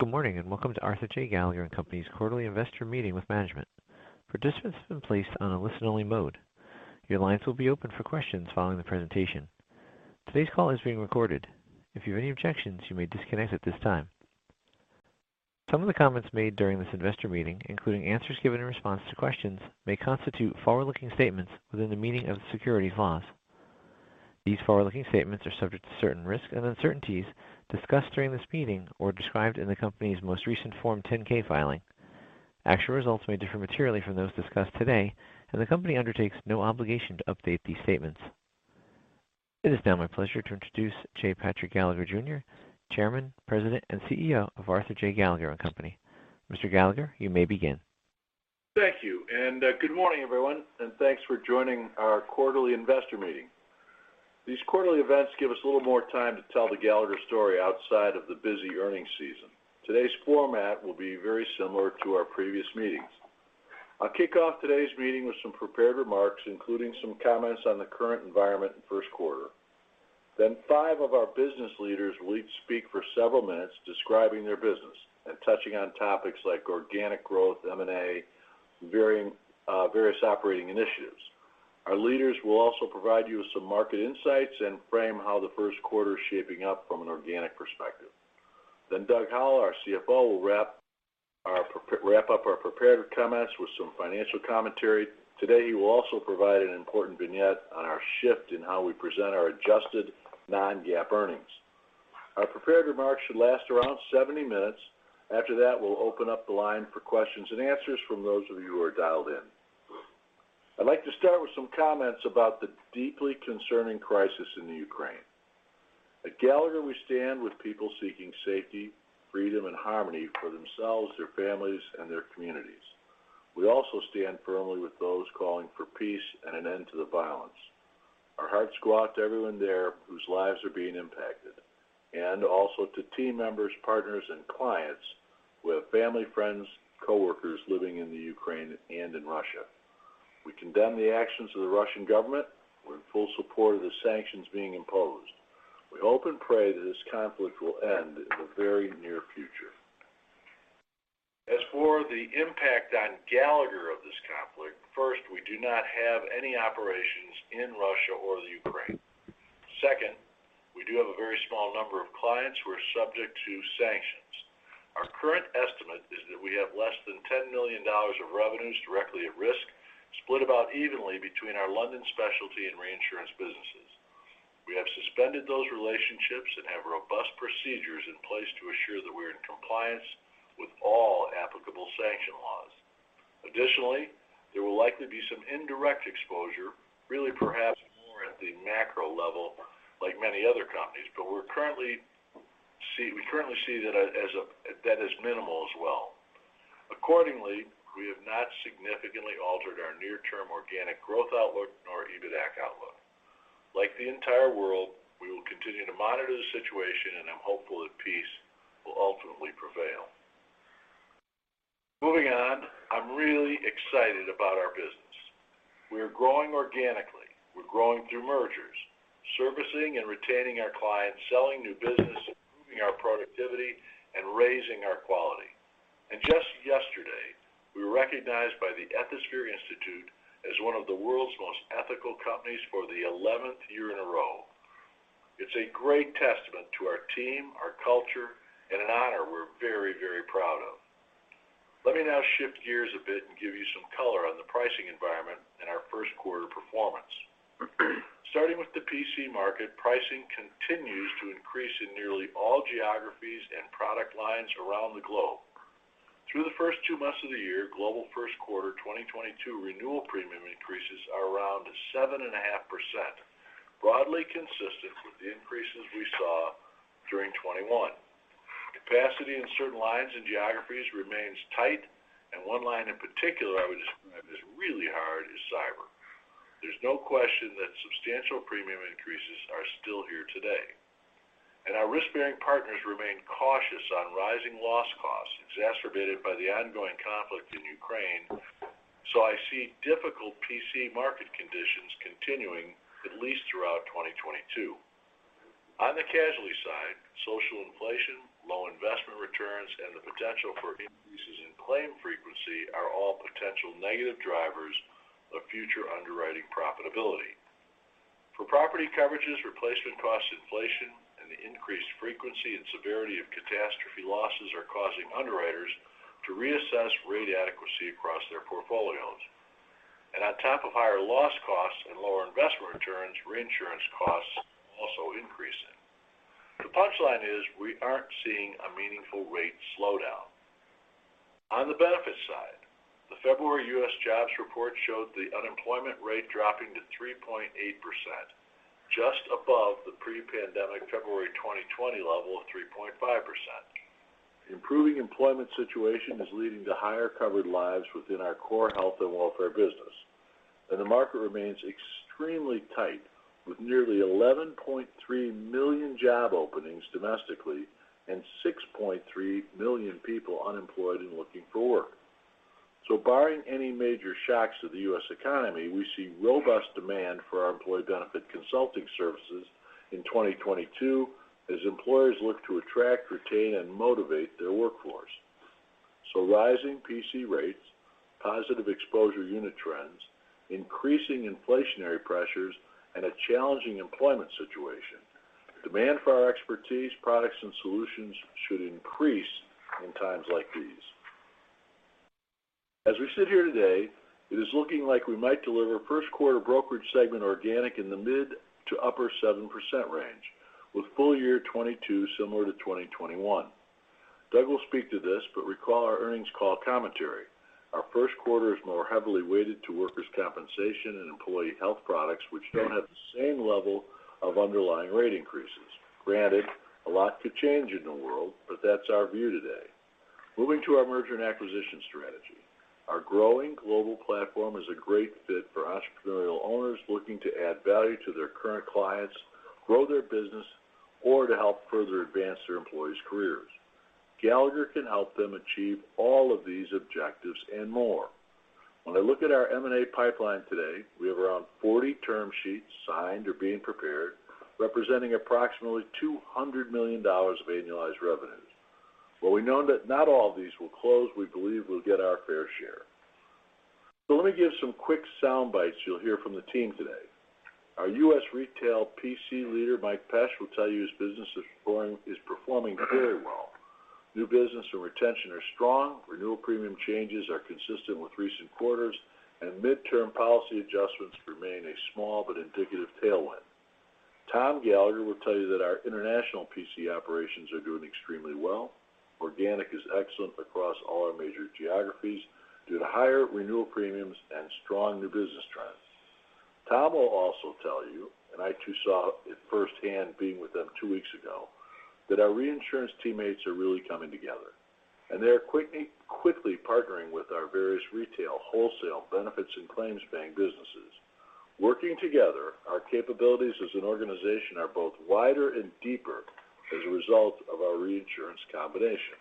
Good morning, and welcome to Arthur J. Gallagher and Company's quarterly investor meeting with management. Participants have been placed on a listen-only mode. Your lines will be open for questions following the presentation. Today's call is being recorded. If you have any objections, you may disconnect at this time. Some of the comments made during this investor meeting, including answers given in response to questions, may constitute forward-looking statements within the meaning of the securities laws. These forward-looking statements are subject to certain risks and uncertainties discussed during this meeting or described in the company's most recent Form 10-K filing. Actual results may differ materially from those discussed today, and the company undertakes no obligation to update these statements. It is now my pleasure to introduce J. Patrick Gallagher, Jr., Chairman, President, and CEO of Arthur J. Gallagher and Company. Mr. Gallagher, you may begin. Thank you, and good morning, everyone, and thanks for joining our quarterly investor meeting. These quarterly events give us a little more time to tell the Gallagher story outside of the busy earnings season. Today's format will be very similar to our previous meetings. I'll kick off today's meeting with some prepared remarks, including some comments on the current environment in first quarter. Five of our business leaders will each speak for several minutes describing their business and touching on topics like organic growth, M&A, various operating initiatives. Our leaders will also provide you with some market insights and frame how the first quarter is shaping up from an organic perspective. Doug Howell, our CFO, will wrap up our prepared comments with some financial commentary. Today, he will also provide an important vignette on our shift in how we present our adjusted non-GAAP earnings. Our prepared remarks should last around 70 minutes. After that, we'll open up the line for questions and answers from those of you who are dialed in. I'd like to start with some comments about the deeply concerning crisis in the Ukraine. At Gallagher, we stand with people seeking safety, freedom, and harmony for themselves, their families, and their communities. We also stand firmly with those calling for peace and an end to the violence. Our hearts go out to everyone there whose lives are being impacted, and also to team members, partners, and clients who have family, friends, coworkers living in the Ukraine and in Russia. We condemn the actions of the Russian government. We're in full support of the sanctions being imposed. We hope and pray that this conflict will end in the very near future. As for the impact on Gallagher of this conflict, first, we do not have any operations in Russia or the Ukraine. Second, we do have a very small number of clients who are subject to sanctions. Our current estimate is that we have less than $10 million of revenues directly at risk, split about evenly between our London specialty and reinsurance businesses. We have suspended those relationships and have robust procedures in place to assure that we're in compliance with all applicable sanction laws. Additionally, there will likely be some indirect exposure, really perhaps more at the macro level, like many other companies, but we currently see that as minimal as well. Accordingly, we have not significantly altered our near-term organic growth outlook nor EBITDA outlook. Like the entire world, we will continue to monitor the situation, and I'm hopeful that peace will ultimately prevail. Moving on, I'm really excited about our business. We are growing organically. We're growing through mergers, servicing and retaining our clients, selling new business, improving our productivity, and raising our quality. Just yesterday, we were recognized by the Ethisphere Institute as one of the world's most ethical companies for the eleventh year in a row. It's a great testament to our team, our culture, and an honor we're very, very proud of. Let me now shift gears a bit and give you some color on the pricing environment and our first quarter performance. Starting with the PC market, pricing continues to increase in nearly all geographies and product lines around the globe. Through the first two months of the year, global first quarter 2022 renewal premium increases are around 7.5%, broadly consistent with the increases we saw during 2021. Capacity in certain lines and geographies remains tight, and one line in particular I would describe as really hard is cyber. There's no question that substantial premium increases are still here today. Our risk-bearing partners remain cautious on rising loss costs, exacerbated by the ongoing conflict in Ukraine, so I see difficult P&C market conditions continuing at least throughout 2022. On the casualty side, social inflation, low investment returns, and the potential for increases in claim frequency are all potential negative drivers of future underwriting profitability. For property coverages, replacement cost inflation and the increased frequency and severity of catastrophe losses are causing underwriters to reassess rate adequacy across their portfolios. On top of higher loss costs and lower investment returns, reinsurance costs are also increasing. The punchline is we aren't seeing a meaningful rate slowdown. On the benefit side, the February U.S. jobs report showed the unemployment rate dropping to 3.8%, just above the pre-pandemic February 2020 level of 3.5%. The improving employment situation is leading to higher covered lives within our core health and welfare business. The market remains extremely tight with nearly 11.3 million job openings domestically and 6.3 million people unemployed and looking for work. Barring any major shocks to the U.S. economy, we see robust demand for our employee benefit consulting services in 2022 as employers look to attract, retain, and motivate their workforce. Rising PC rates, positive exposure unit trends, increasing inflationary pressures, and a challenging employment situation. Demand for our expertise, products, and solutions should increase in times like these. As we sit here today, it is looking like we might deliver first quarter brokerage segment organic in the mid- to upper-7% range, with full year 2022 similar to 2021. Doug will speak to this, but recall our earnings call commentary. Our first quarter is more heavily weighted to workers' compensation and employee health products, which don't have the same level of underlying rate increases. Granted, a lot could change in the world, but that's our view today. Moving to our merger and acquisition strategy. Our growing global platform is a great fit for entrepreneurial owners looking to add value to their current clients, grow their business, or to help further advance their employees' careers. Gallagher can help them achieve all of these objectives and more. When I look at our M&A pipeline today, we have around 40 term sheets signed or being prepared, representing approximately $200 million of annualized revenues. While we know that not all of these will close, we believe we'll get our fair share. Let me give some quick sound bites you'll hear from the team today. Our U.S. retail PC leader, Mike Pesch, will tell you his business is performing very well. New business and retention are strong. Renewal premium changes are consistent with recent quarters. Midterm policy adjustments remain a small but indicative tailwind. Tom Gallagher will tell you that our international PC operations are doing extremely well. Organic is excellent across all our major geographies due to higher renewal premiums and strong new business trends. Tom will also tell you, and I too saw it firsthand being with them two weeks ago, that our reinsurance teammates are really coming together, and they are quickly partnering with our various retail, wholesale, benefits, and claims paying businesses. Working together, our capabilities as an organization are both wider and deeper as a result of our reinsurance combination.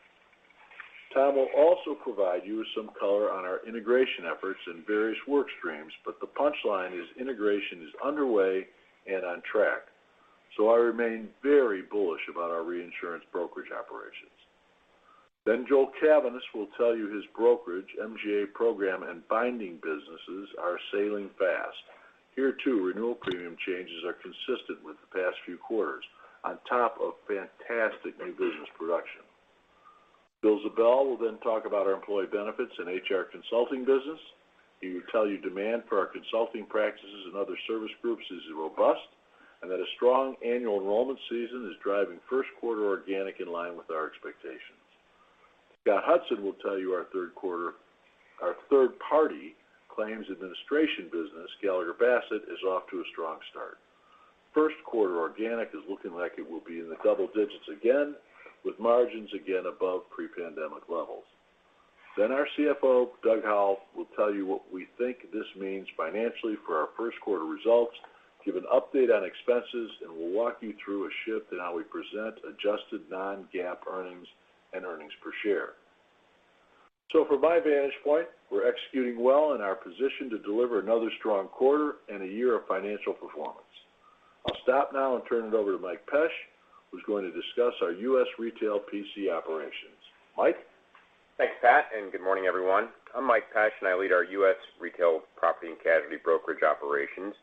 Tom will also provide you with some color on our integration efforts in various work streams, but the punchline is integration is underway and on track. I remain very bullish about our reinsurance brokerage operations. Joel Cavaness will tell you his brokerage, MGA program, and binding businesses are sailing fast. Here, too, renewal premium changes are consistent with the past few quarters on top of fantastic new business production. William Ziebell will then talk about our employee benefits and HR consulting business. He will tell you demand for our consulting practices and other service groups is robust and that a strong annual enrollment season is driving first quarter organic in line with our expectations. Scott Hudson will tell you our third-party claims administration business, Gallagher Bassett, is off to a strong start. First quarter organic is looking like it will be in the double digits again, with margins again above pre-pandemic levels. Then our CFO, Doug Howell, will tell you what we think this means financially for our first quarter results, give an update on expenses, and we'll walk you through a shift in how we present adjusted non-GAAP earnings and earnings per share. From my vantage point, we're executing well and are positioned to deliver another strong quarter and a year of financial performance. I'll stop now and turn it over to Mike Pesch, who's going to discuss our U.S. retail PC operations. Mike? Thanks, Pat, and good morning, everyone. I'm Mike Pesch, and I lead our U.S. retail property and casualty brokerage operations.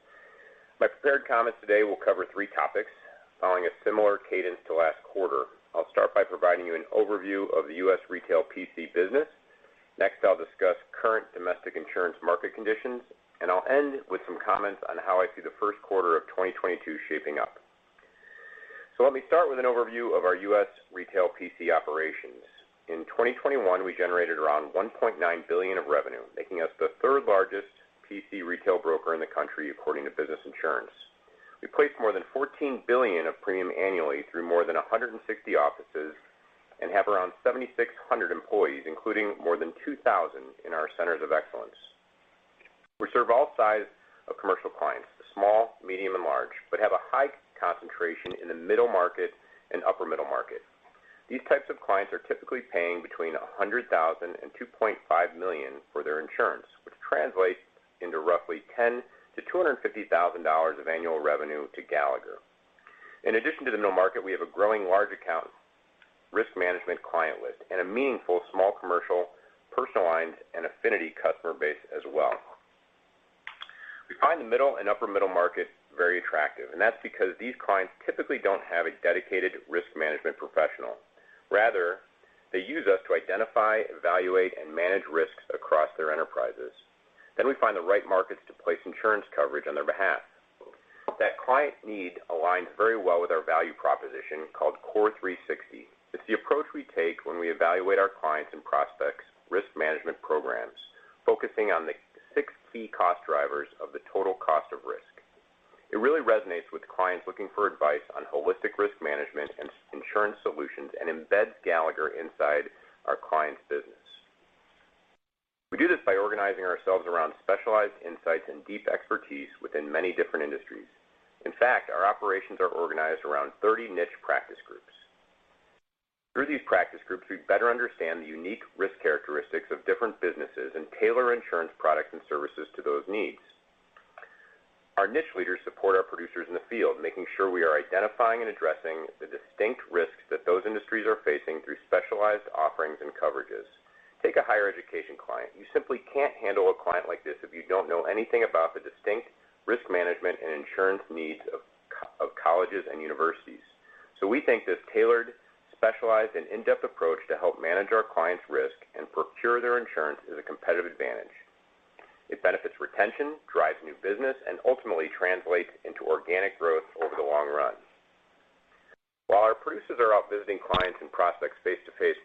My prepared comments today will cover three topics, following a similar cadence to last quarter. I'll start by providing you an overview of the U.S. retail PC business. Next, I'll discuss current domestic insurance market conditions, and I'll end with some comments on how I see the first quarter of 2022 shaping up. Let me start with an overview of our U.S. retail PC operations. In 2021, we generated around $1.9 billion of revenue, making us the third-largest PC retail broker in the country according to Business Insurance. We place more than $14 billion of premium annually through more than 160 offices and have around 7,600 employees, including more than 2,000 in our centers of excellence. We serve all size of commercial clients, small, medium, and large, but have a high concentration in the middle market and upper middle market. These types of clients are typically paying between $100,000 million-$2.5 million for their insurance, which translates into roughly $10,000-$250,000 of annual revenue to Gallagher. In addition to the middle market, we have a growing large account risk management client list and a meaningful small commercial, personal lines, and affinity customer base as well. We find the middle and upper middle market very attractive, and that's because these clients typically don't have a dedicated risk management professional. Rather, they use us to identify, evaluate, and manage risks across their enterprises. We find the right markets to place insurance coverage on their behalf. That client need aligns very well with our value proposition called CORE360. It's the approach we take when we evaluate our clients' and prospects' risk management programs, focusing on the six key cost drivers of the total cost of risk. It really resonates with clients looking for advice on holistic risk management and insurance solutions and embeds Gallagher inside our clients' business. We do this by organizing ourselves around specialized insights and deep expertise within many different industries. In fact, our operations are organized around 30 niche practice groups. Through these practice groups, we better understand the unique risk characteristics of different businesses and tailor insurance products and services to those needs. Our niche leaders support our producers in the field, making sure we are identifying and addressing the distinct risks that those industries are facing through specialized offerings and coverages. Take a higher education client. You simply can't handle a client like this if you don't know anything about the distinct risk management and insurance needs of colleges and universities. We take this tailored, specialized, and in-depth approach to help manage our clients' risk and procure their insurance as a competitive advantage. It benefits retention, drives new business, and ultimately translates into organic growth over the long run. While our producers are out visiting clients and prospects face-to-face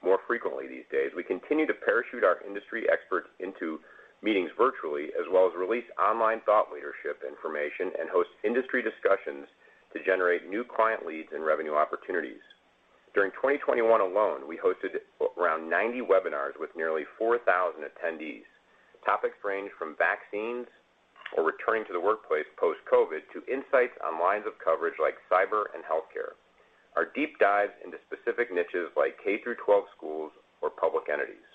more frequently these days, we continue to parachute our industry experts into meetings virtually as well as release online thought leadership information and host industry discussions to generate new client leads and revenue opportunities. During 2021 alone, we hosted around 90 webinars with nearly 4,000 attendees. Topics range from vaccines or returning to the workplace post-COVID to insights on lines of coverage like cyber and healthcare, our deep dives into specific niches like K-12 schools or public entities.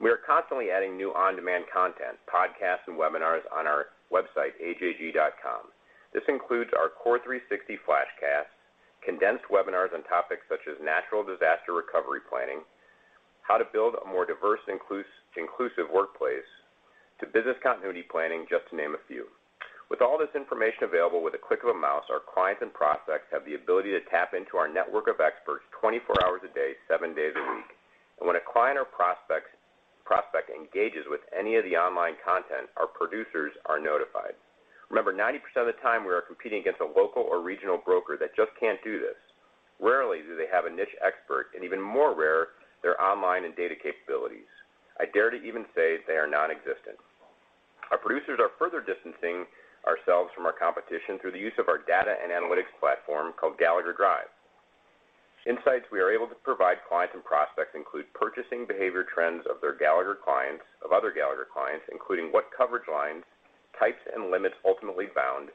We are constantly adding new on-demand content, podcasts, and webinars on our website, ajg.com. This includes our CORE360 Flashcast, condensed webinars on topics such as natural disaster recovery planning, how to build a more diverse inclusive workplace, to business continuity planning, just to name a few. With all this information available with a click of a mouse, our clients and prospects have the ability to tap into our network of experts 24 hours a day, seven days a week. When a client or prospect engages with any of the online content, our producers are notified. Remember, 90% of the time, we are competing against a local or regional broker that just can't do this. Rarely do they have a niche expert, and even more rare, their online and data capabilities. I dare to even say they are non-existent. Our producers are further distancing ourselves from our competition through the use of our data and analytics platform called Gallagher Drive. Insights we are able to provide clients and prospects include purchasing behavior trends of other Gallagher clients, including what coverage lines, types, and limits ultimately bound.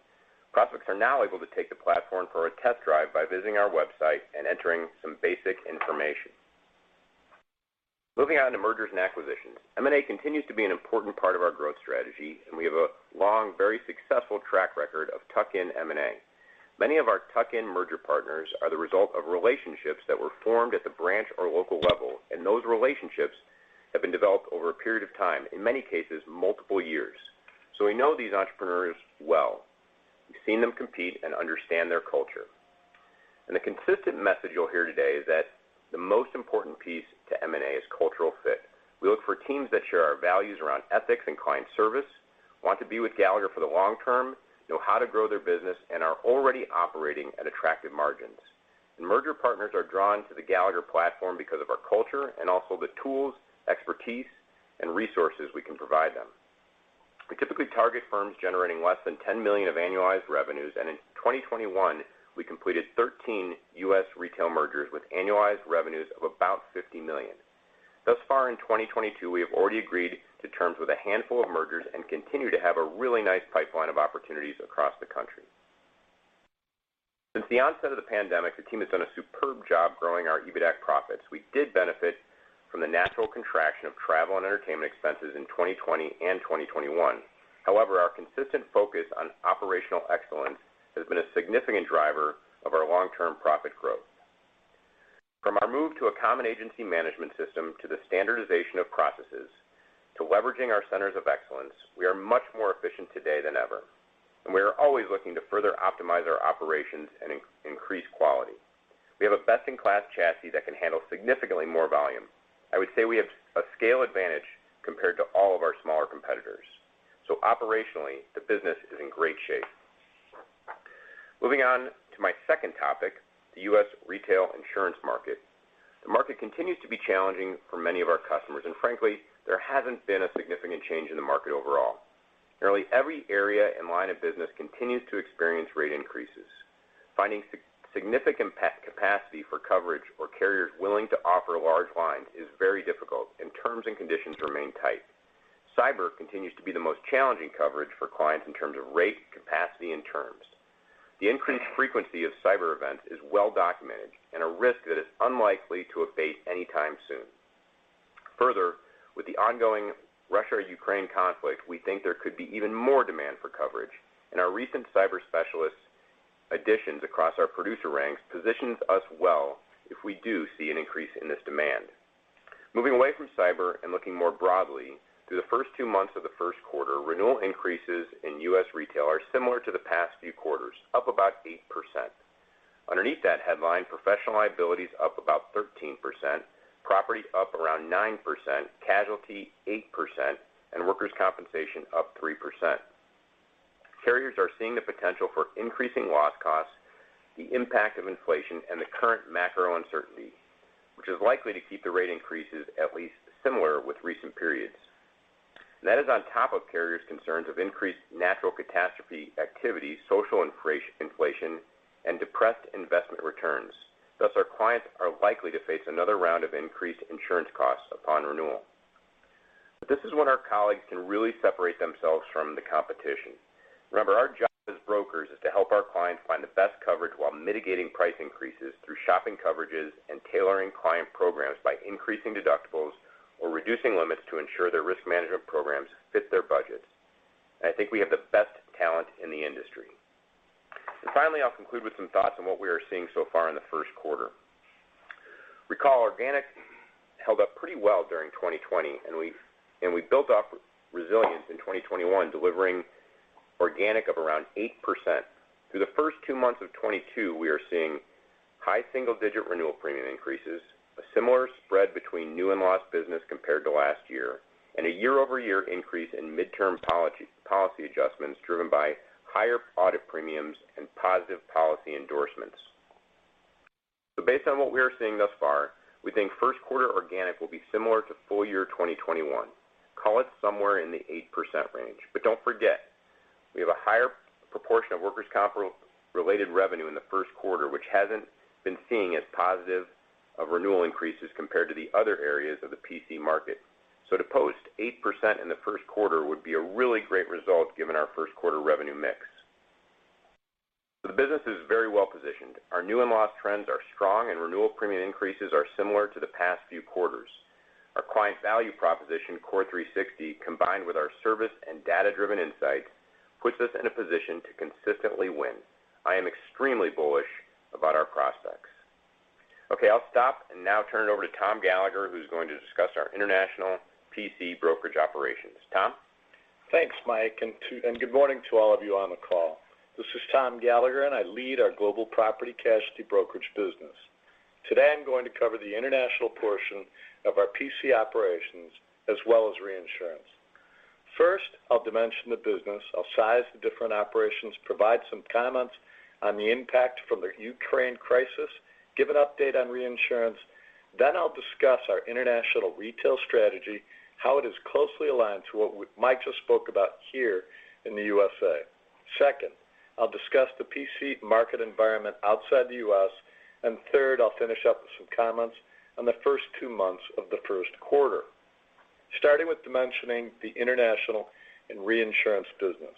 Prospects are now able to take the platform for a test drive by visiting our website and entering some basic information. Moving on to mergers and acquisitions. M&A continues to be an important part of our growth strategy, and we have a long, very successful track record of tuck-in M&A. Many of our tuck-in merger partners are the result of relationships that were formed at the branch or local level, and those relationships have been developed over a period of time, in many cases, multiple years. We know these entrepreneurs well. We've seen them compete and understand their culture. The consistent message you'll hear today is that the most important piece to M&A is cultural fit. We look for teams that share our values around ethics and client service, want to be with Gallagher for the long term, know how to grow their business, and are already operating at attractive margins. Merger partners are drawn to the Gallagher platform because of our culture and also the tools, expertise, and resources we can provide them. We typically target firms generating less than $10 million of annualized revenues, and in 2021, we completed 13 U.S. retail mergers with annualized revenues of about $50 million. Thus far in 2022, we have already agreed to terms with a handful of mergers and continue to have a really nice pipeline of opportunities across the country. Since the onset of the pandemic, the team has done a superb job growing our EBITAC profits. We did benefit from the natural contraction of travel and entertainment expenses in 2020 and 2021. However, our consistent focus on operational excellence has been a significant driver of our long-term profit growth. From our move to a common agency management system to the standardization of processes to leveraging our centers of excellence, we are much more efficient today than ever, and we are always looking to further optimize our operations and increase quality. We have a best-in-class chassis that can handle significantly more volume. I would say we have a scale advantage compared to all of our smaller competitors. Operationally, the business is in great shape. Moving on to my second topic, the U.S. retail insurance market. The market continues to be challenging for many of our customers, and frankly, there hasn't been a significant change in the market overall. Nearly every area and line of business continues to experience rate increases. Finding significant capacity for coverage or carriers willing to offer large lines is very difficult, and terms and conditions remain tight. Cyber continues to be the most challenging coverage for clients in terms of rate, capacity, and terms. The increased frequency of cyber events is well documented and a risk that is unlikely to abate anytime soon. Further, with the ongoing Russia-Ukraine conflict, we think there could be even more demand for coverage, and our recent cyber specialists additions across our producer ranks positions us well if we do see an increase in this demand. Moving away from cyber and looking more broadly, through the first two months of the first quarter, renewal increases in U.S. retail are similar to the past few quarters, up about 8%. Underneath that headline, professional liability is up about 13%, property up around 9%, casualty 8%, and workers' compensation up 3%. Carriers are seeing the potential for increasing loss costs, the impact of inflation, and the current macro uncertainty, which is likely to keep the rate increases at least similar with recent periods. That is on top of carriers' concerns of increased natural catastrophe activity, social inflation, and depressed investment returns. Thus, our clients are likely to face another round of increased insurance costs upon renewal. This is when our colleagues can really separate themselves from the competition. Remember, our job as brokers is to help our clients find the best coverage while mitigating price increases through shopping coverages and tailoring client programs by increasing deductibles or reducing limits to ensure their risk management programs fit their budgets. I think we have the best talent in the industry. Finally, I'll conclude with some thoughts on what we are seeing so far in the first quarter. Recall organic held up pretty well during 2020, and we built off resilience in 2021, delivering organic of around 8%. Through the first two months of 2022, we are seeing high single-digit renewal premium increases, a similar spread between new and lost business compared to last year, and a year-over-year increase in midterm policy adjustments driven by higher audit premiums and positive policy endorsements. Based on what we are seeing thus far, we think first quarter organic will be similar to full year 2021. Call it somewhere in the 8% range. Don't forget, we have a higher proportion of workers' comp-related revenue in the first quarter, which hasn't been seeing as positive of renewal increases compared to the other areas of the PC market. To post 8% in the first quarter would be a really great result given our first quarter revenue mix. The business is very well-positioned. Our new and lost trends are strong and renewal premium increases are similar to the past few quarters. Our client value proposition, CORE360, combined with our service and data-driven insights, puts us in a position to consistently win. I am extremely bullish about our prospects. Okay, I'll stop and now turn it over to Tom Gallagher, who's going to discuss our international PC brokerage operations. Tom? Thanks, Mike, and good morning to all of you on the call. This is Tom Gallagher, and I lead our global property casualty brokerage business. Today, I'm going to cover the international portion of our PC operations as well as reinsurance. First, I'll dimension the business. I'll size the different operations, provide some comments on the impact from the Ukraine crisis, give an update on reinsurance, then I'll discuss our international retail strategy, how it is closely aligned to what Mike just spoke about here in the U.S. Second, I'll discuss the PC market environment outside the U.S. Third, I'll finish up with some comments on the first two months of the first quarter. Starting with dimensioning the international and reinsurance business.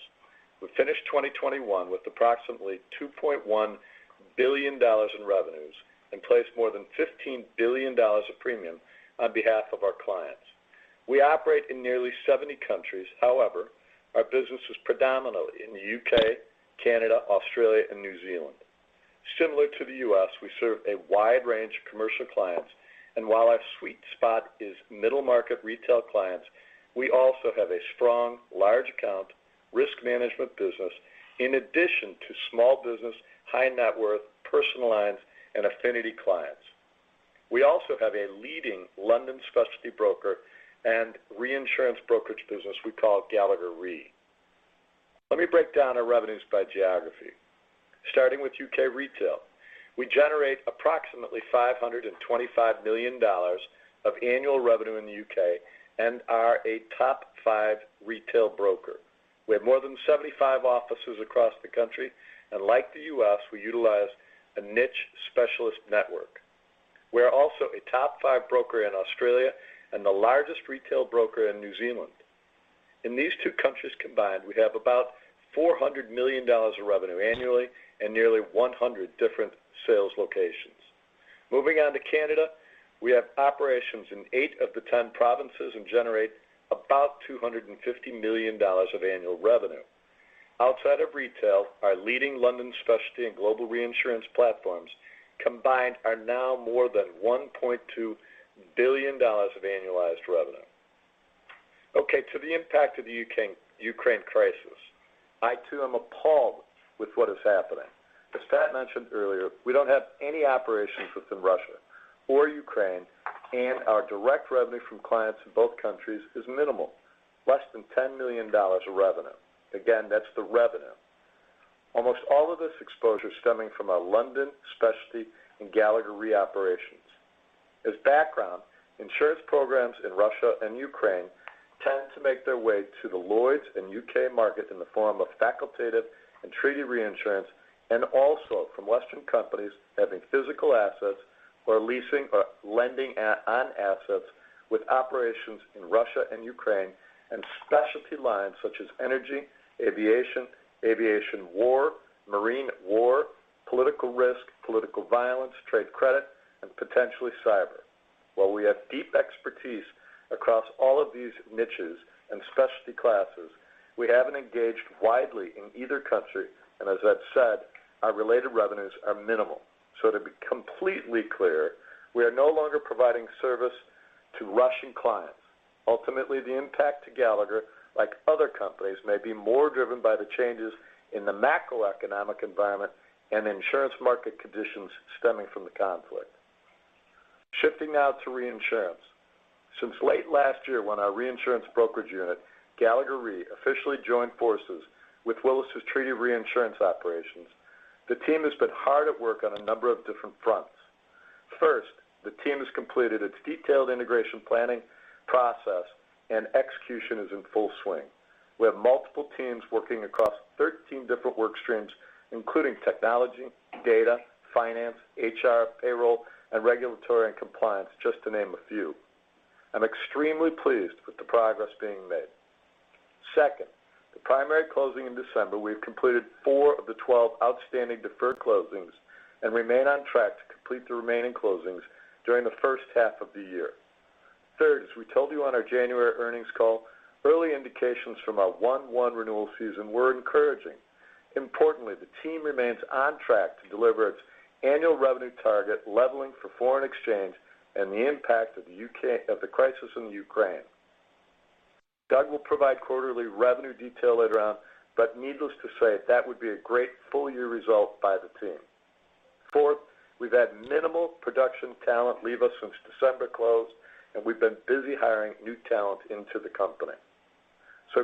We finished 2021 with approximately $2.1 billion in revenues and placed more than $15 billion of premium on behalf of our clients. We operate in nearly 70 countries. However, our business is predominantly in the U.K., Canada, Australia, and New Zealand. Similar to the U.S., we serve a wide range of commercial clients, and while our sweet spot is middle-market retail clients, we also have a strong large account risk management business in addition to small business, high net worth, personal lines, and affinity clients. We also have a leading London specialty broker and reinsurance brokerage business we call Gallagher Re. Let me break down our revenues by geography. Starting with U.K. retail, we generate approximately $525 million of annual revenue in the U.K. and are a top five retail broker. We have more than 75 offices across the country, and like the U.S., we utilize a niche specialist network. We are also a top five broker in Australia and the largest retail broker in New Zealand. In these two countries combined, we have about $400 million of revenue annually and nearly 100 different sales locations. Moving on to Canada, we have operations in eight of the 10 provinces and generate about $250 million of annual revenue. Outside of retail, our leading London specialty and global reinsurance platforms combined are now more than $1.2 billion of annualized revenue. Okay, to the impact of the Ukraine crisis. I too am appalled with what is happening. As Pat mentioned earlier, we don't have any operations within Russia or Ukraine, and our direct revenue from clients in both countries is minimal, less than $10 million of revenue. Again, that's the revenue. Almost all of this exposure is stemming from our London specialty and Gallagher Re operations. As background, insurance programs in Russia and Ukraine tend to make their way to the Lloyd's and U.K. markets in the form of facultative and treaty reinsurance, and also from Western companies having physical assets or leasing or lending on assets with operations in Russia and Ukraine, and specialty lines such as energy, aviation war, marine war, political risk, political violence, trade credit, and potentially cyber. While we have deep expertise across all of these niches and specialty classes, we haven't engaged widely in either country. As I've said, our related revenues are minimal. To be completely clear, we are no longer providing service to Russian clients. Ultimately, the impact to Gallagher, like other companies, may be more driven by the changes in the macroeconomic environment and insurance market conditions stemming from the conflict. Shifting now to reinsurance. Since late last year when our reinsurance brokerage unit, Gallagher Re, officially joined forces with Willis Re's treaty reinsurance operations, the team has been hard at work on a number of different fronts. First, the team has completed its detailed integration planning process, and execution is in full swing. We have multiple teams working across 13 different work streams, including technology, data, finance, HR, payroll, and regulatory and compliance, just to name a few. I'm extremely pleased with the progress being made. Second, the primary closing in December, we have completed four of the 12 outstanding deferred closings and remain on track to complete the remaining closings during the first half of the year. Third, as we told you on our January earnings call, early indications from our Q1 renewal season were encouraging. Importantly, the team remains on track to deliver its annual revenue target, leveling for foreign exchange and the impact of the crisis in the Ukraine. Doug will provide quarterly revenue detail later on, but needless to say, that would be a great full-year result by the team. Fourth, we've had minimal production talent leave us since December close, and we've been busy hiring new talent into the company.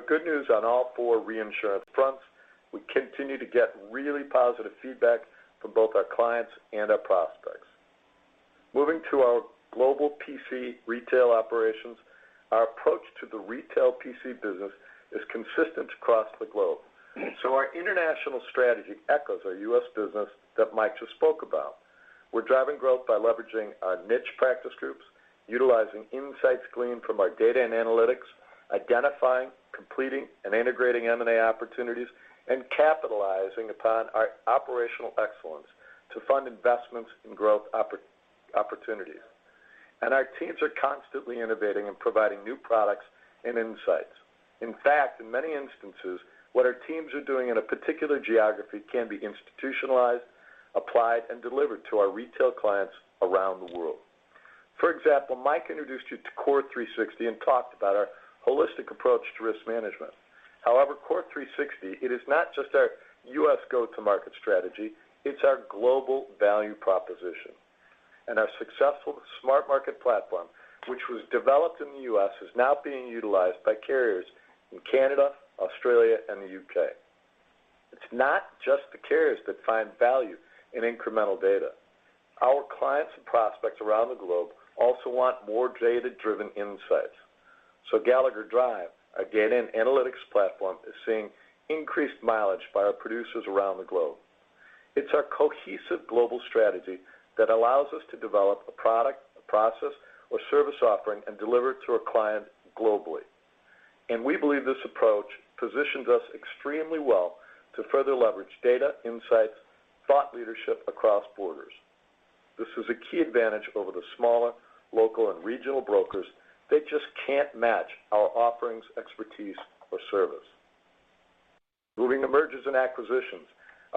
Good news on all four reinsurance fronts. We continue to get really positive feedback from both our clients and our prospects. Moving to our global PC retail operations, our approach to the retail PC business is consistent across the globe. Our international strategy echoes our U.S. business that Mike just spoke about. We're driving growth by leveraging our niche practice groups, utilizing insights gleaned from our data and analytics, identifying, completing, and integrating M&A opportunities, and capitalizing upon our operational excellence to fund investments in growth opportunities. Our teams are constantly innovating and providing new products and insights. In fact, in many instances, what our teams are doing in a particular geography can be institutionalized, applied, and delivered to our retail clients around the world. For example, Mike introduced you to CORE360 and talked about our holistic approach to risk management. However, CORE360, it is not just our U.S. go-to-market strategy, it's our global value proposition. Our successful Smart Market platform, which was developed in the U.S., is now being utilized by carriers in Canada, Australia, and the U.K. It's not just the carriers that find value in incremental data. Our clients and prospects around the globe also want more data-driven insights. Gallagher Drive, again, an analytics platform, is seeing increased mileage by our producers around the globe. It's our cohesive global strategy that allows us to develop a product, a process, or service offering and deliver it to our client globally. We believe this approach positions us extremely well to further leverage data, insights, thought leadership across borders. This is a key advantage over the smaller, local, and regional brokers. They just can't match our offerings, expertise, or service. Moving to mergers and acquisitions.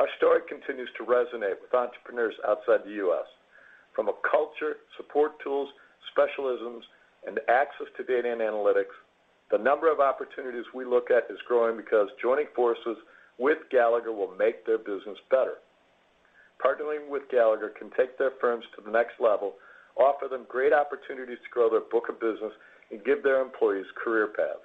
Our story continues to resonate with entrepreneurs outside the U.S. From a culture, support tools, specialisms, and access to data and analytics, the number of opportunities we look at is growing because joining forces with Gallagher will make their business better. Partnering with Gallagher can take their firms to the next level, offer them great opportunities to grow their book of business, and give their employees career paths.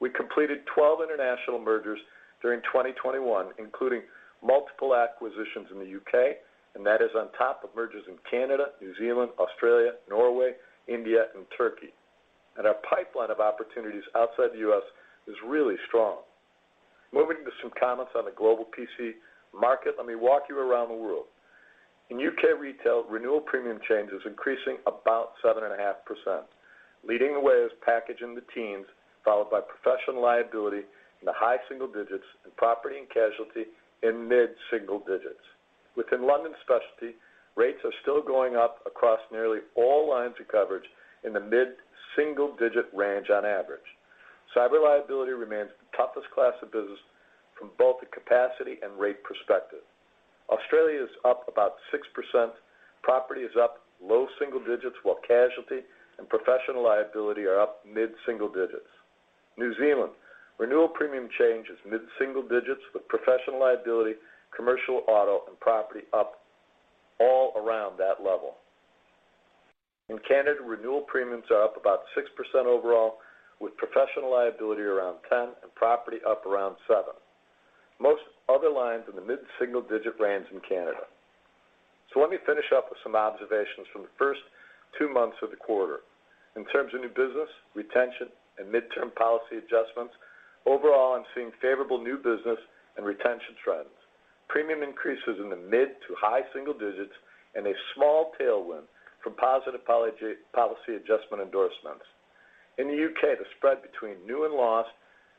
We completed 12 international mergers during 2021, including multiple acquisitions in the U.K., and that is on top of mergers in Canada, New Zealand, Australia, Norway, India, and Turkey. Our pipeline of opportunities outside the U.S. is really strong. Moving to some comments on the global P&C market, let me walk you around the world. In U.K. retail, renewal premium change is increasing about 7.5%. Leading the way is package in the teens, followed by professional liability in the high single digits and property and casualty in mid-single digits. Within London specialty, rates are still going up across nearly all lines of coverage in the mid-single-digit range on average. Cyber liability remains the toughest class of business from both a capacity and rate perspective. Australia is up about 6%. Property is up low single digits, while casualty and professional liability are up mid-single digits. New Zealand renewal premium change is mid-single digits, with professional liability, commercial auto, and property up all around that level. In Canada, renewal premiums are up about 6% overall, with professional liability around 10% and property up around 7%. Most other lines in the mid-single-digit range in Canada. Let me finish up with some observations from the first two months of the quarter. In terms of new business, retention, and midterm policy adjustments, overall, I'm seeing favorable new business and retention trends. Premium increases in the mid to high single digits and a small tailwind from positive policy adjustment endorsements. In the U.K., the spread between new and lost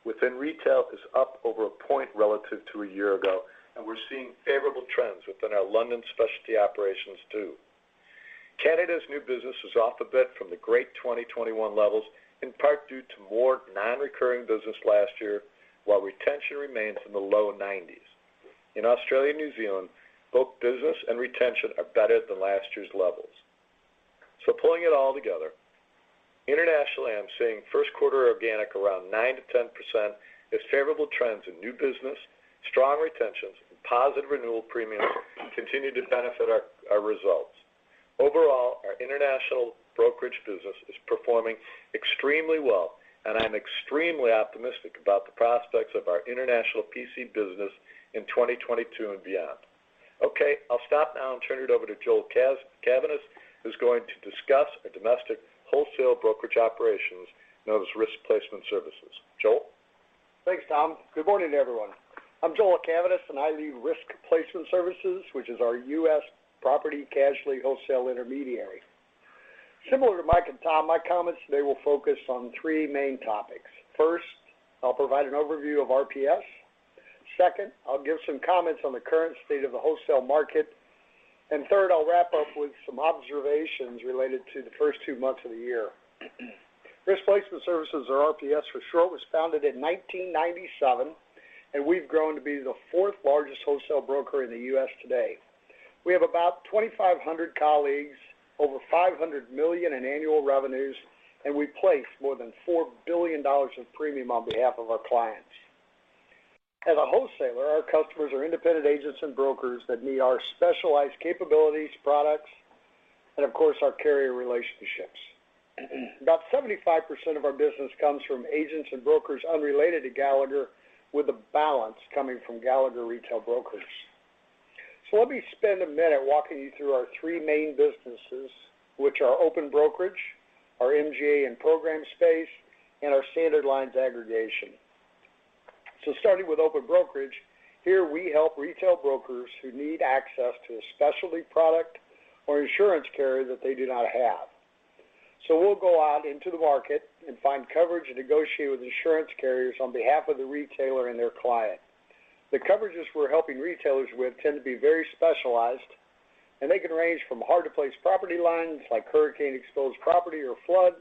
within retail is up over a point relative to a year ago, and we're seeing favorable trends within our London specialty operations too. Canada's new business is off a bit from the great 2021 levels, in part due to more non-recurring business last year, while retention remains in the low 90s. In Australia and New Zealand, both business and retention are better than last year's levels. Pulling it all together, internationally, I'm seeing first quarter organic around 9%-10% as favorable trends in new business, strong retentions, and positive renewal premiums continue to benefit our results. Overall, our international brokerage business is performing extremely well, and I'm extremely optimistic about the prospects of our international PC business in 2022 and beyond. Okay, I'll stop now and turn it over to Joel Cavaness, who's going to discuss our domestic wholesale brokerage operations, known as Risk Placement Services. Joel. Thanks, Tom. Good morning, everyone. I'm Joel Cavaness, and I lead Risk Placement Services, which is our U.S. property casualty wholesale intermediary. Similar to Mike and Tom, my comments today will focus on three main topics. First, I'll provide an overview of RPS. Second, I'll give some comments on the current state of the wholesale market. Third, I'll wrap up with some observations related to the first two months of the year. Risk Placement Services, or RPS for short, was founded in 1997, and we've grown to be the fourth largest wholesale broker in the U.S. today. We have about 2,500 colleagues, over $500 million in annual revenues, and we place more than $4 billion in premium on behalf of our clients. As a wholesaler, our customers are independent agents and brokers that need our specialized capabilities, products, and of course, our carrier relationships. About 75% of our business comes from agents and brokers unrelated to Gallagher, with the balance coming from Gallagher Retail Brokers. Let me spend a minute walking you through our three main businesses, which are open brokerage, our MGA and program space, and our standard lines aggregation. Starting with open brokerage, here we help retail brokers who need access to a specialty product or insurance carrier that they do not have. We'll go out into the market and find coverage and negotiate with insurance carriers on behalf of the retailer and their client. The coverages we're helping retailers with tend to be very specialized, and they can range from hard-to-place property lines like hurricane-exposed property or flood,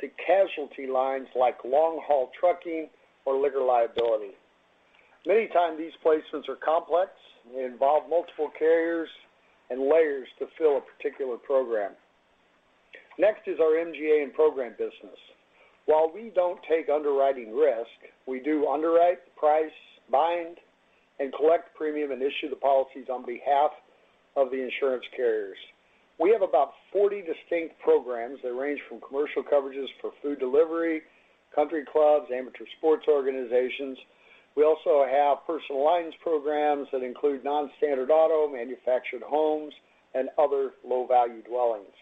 to casualty lines like long-haul trucking or liquor liability. Many times these placements are complex and involve multiple carriers and layers to fill a particular program. Next is our MGA and program business. While we don't take underwriting risk, we do underwrite, price, bind, and collect premium, and issue the policies on behalf of the insurance carriers. We have about 40 distinct programs that range from commercial coverages for food delivery, country clubs, amateur sports organizations. We also have personal lines programs that include non-standard auto, manufactured homes, and other low-value dwellings.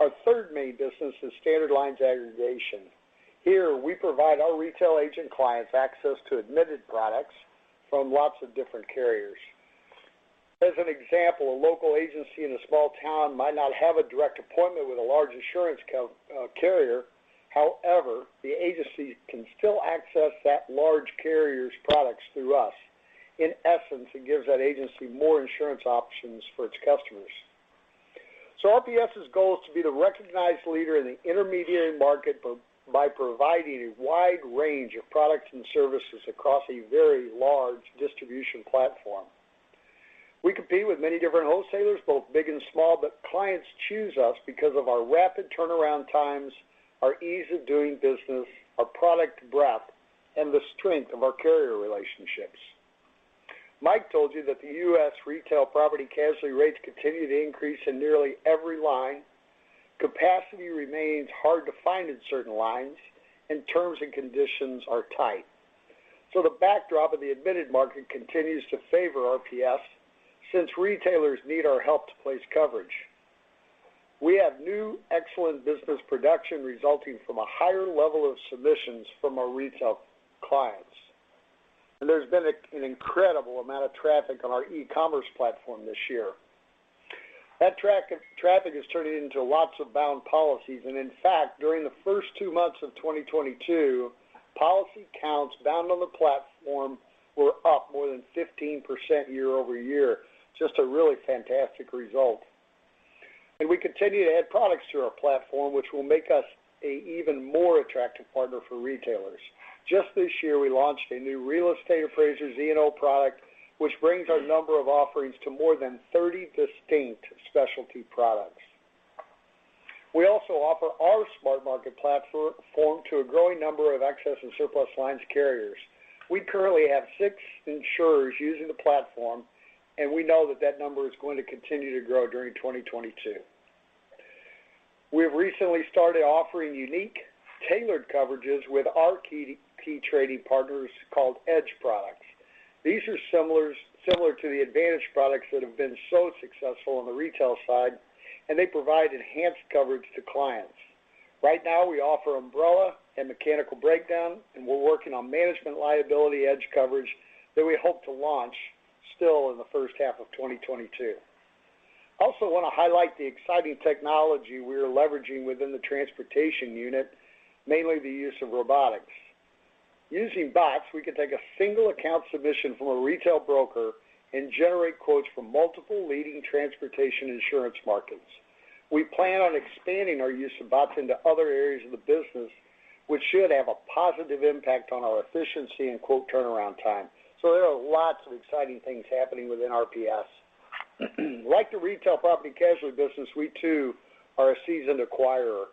Our third main business is standard lines aggregation. Here, we provide our retail agent clients access to admitted products from lots of different carriers. As an example, a local agency in a small town might not have a direct appointment with a large insurance carrier. However, the agency can still access that large carrier's products through us. In essence, it gives that agency more insurance options for its customers. RPS's goal is to be the recognized leader in the intermediating market by providing a wide range of products and services across a very large distribution platform. We compete with many different wholesalers, both big and small, but clients choose us because of our rapid turnaround times, our ease of doing business, our product breadth, and the strength of our carrier relationships. Mike told you that the U.S. retail property casualty rates continue to increase in nearly every line. Capacity remains hard to find in certain lines, and terms and conditions are tight. The backdrop of the admitted market continues to favor RPS since retailers need our help to place coverage. We have new excellent business production resulting from a higher level of submissions from our retail clients. There's been an incredible amount of traffic on our e-commerce platform this year. That traffic has turned into lots of bound policies, and in fact, during the first two months of 2022, policy counts bound on the platform were up more than 15% year-over-year. Just a really fantastic result. We continue to add products to our platform which will make us an even more attractive partner for retailers. Just this year, we launched a new real estate appraisers E&O product, which brings our number of offerings to more than 30 distinct specialty products. We also offer our SmartMarket platform to a growing number of excess and surplus lines carriers. We currently have six insurers using the platform, and we know that number is going to continue to grow during 2022. We have recently started offering unique tailored coverages with our key trading partners called Edge products. These are similar to the advantage products that have been so successful on the retail side, and they provide enhanced coverage to clients. Right now, we offer umbrella and mechanical breakdown, and we're working on management liability Edge coverage that we hope to launch still in the first half of 2022. I also wanna highlight the exciting technology we are leveraging within the transportation unit, mainly the use of robotics. Using bots, we can take a single account submission from a retail broker and generate quotes from multiple leading transportation insurance markets. We plan on expanding our use of bots into other areas of the business, which should have a positive impact on our efficiency and quote turnaround time. There are lots of exciting things happening within RPS. Like the retail property casualty business, we too are a seasoned acquirer.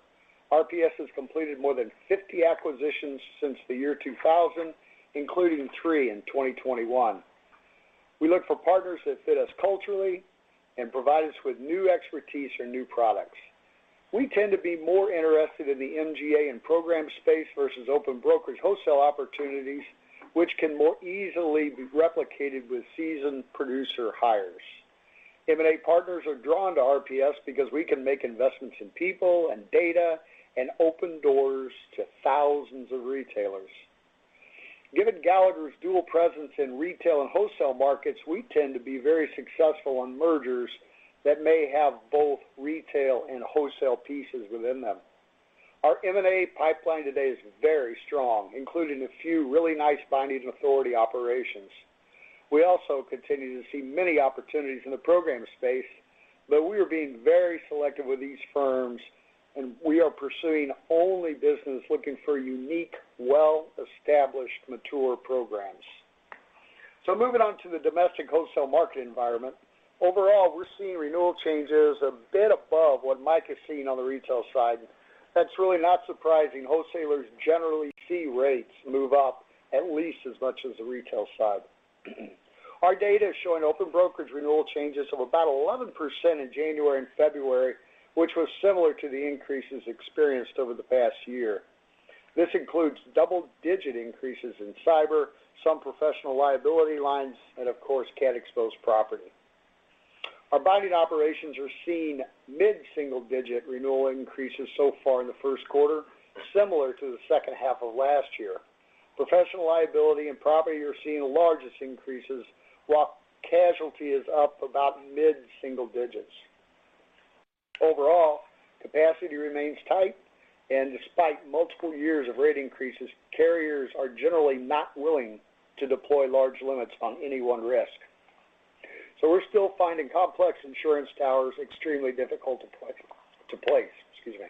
RPS has completed more than 50 acquisitions since the year 2000, including three in 2021. We look for partners that fit us culturally and provide us with new expertise or new products. We tend to be more interested in the MGA and program space versus open brokerage wholesale opportunities, which can more easily be replicated with seasoned producer hires. M&A partners are drawn to RPS because we can make investments in people and data and open doors to thousands of retailers. Given Gallagher's dual presence in retail and wholesale markets, we tend to be very successful on mergers that may have both retail and wholesale pieces within them. Our M&A pipeline today is very strong, including a few really nice binding authority operations. We also continue to see many opportunities in the program space, but we are being very selective with these firms, and we are pursuing only business looking for unique, well-established, mature programs. Moving on to the domestic wholesale market environment. Overall, we're seeing renewal changes a bit above what Mike is seeing on the retail side. That's really not surprising. Wholesalers generally see rates move up at least as much as the retail side. Our data is showing open brokerage renewal changes of about 11% in January and February, which was similar to the increases experienced over the past year. This includes double-digit increases in cyber, some professional liability lines, and of course, cat-exposed property. Our binding operations are seeing mid-single-digit renewal increases so far in the first quarter, similar to the second half of last year. Professional liability and property are seeing the largest increases, while casualty is up about mid-single digits. Overall, capacity remains tight, and despite multiple years of rate increases, carriers are generally not willing to deploy large limits on any one risk. We're still finding complex insurance towers extremely difficult to place. Excuse me.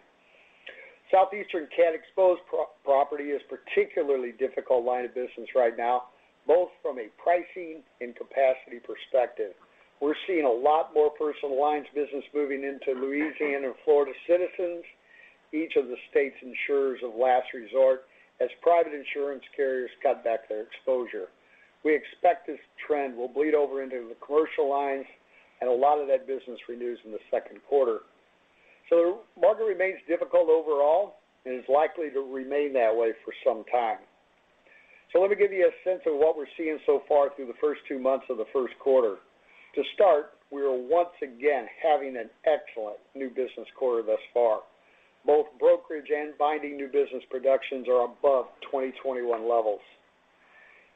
Southeastern cat-exposed property is a particularly difficult line of business right now, both from a pricing and capacity perspective. We're seeing a lot more personal lines business moving into Louisiana and Florida Citizens, each of the state's insurers of last resort, as private insurance carriers cut back their exposure. We expect this trend will bleed over into the commercial lines and a lot of that business renews in the second quarter. The market remains difficult overall and is likely to remain that way for some time. Let me give you a sense of what we're seeing so far through the first two months of the first quarter. To start, we are once again having an excellent new business quarter thus far. Both brokerage and binding new business productions are above 2021 levels.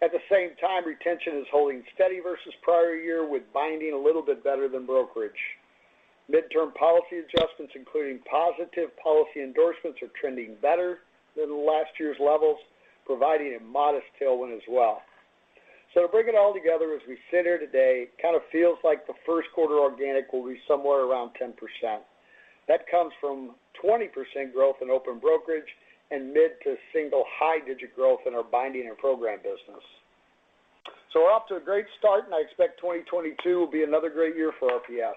At the same time, retention is holding steady versus prior year, with binding a little bit better than brokerage. Mid-term policy adjustments, including positive policy endorsements, are trending better than last year's levels, providing a modest tailwind as well. To bring it all together, as we sit here today, it kind of feels like the first quarter organic will be somewhere around 10%. That comes from 20% growth in open brokerage and mid- to single high-digit growth in our binding and program business. We're off to a great start, and I expect 2022 will be another great year for RPS.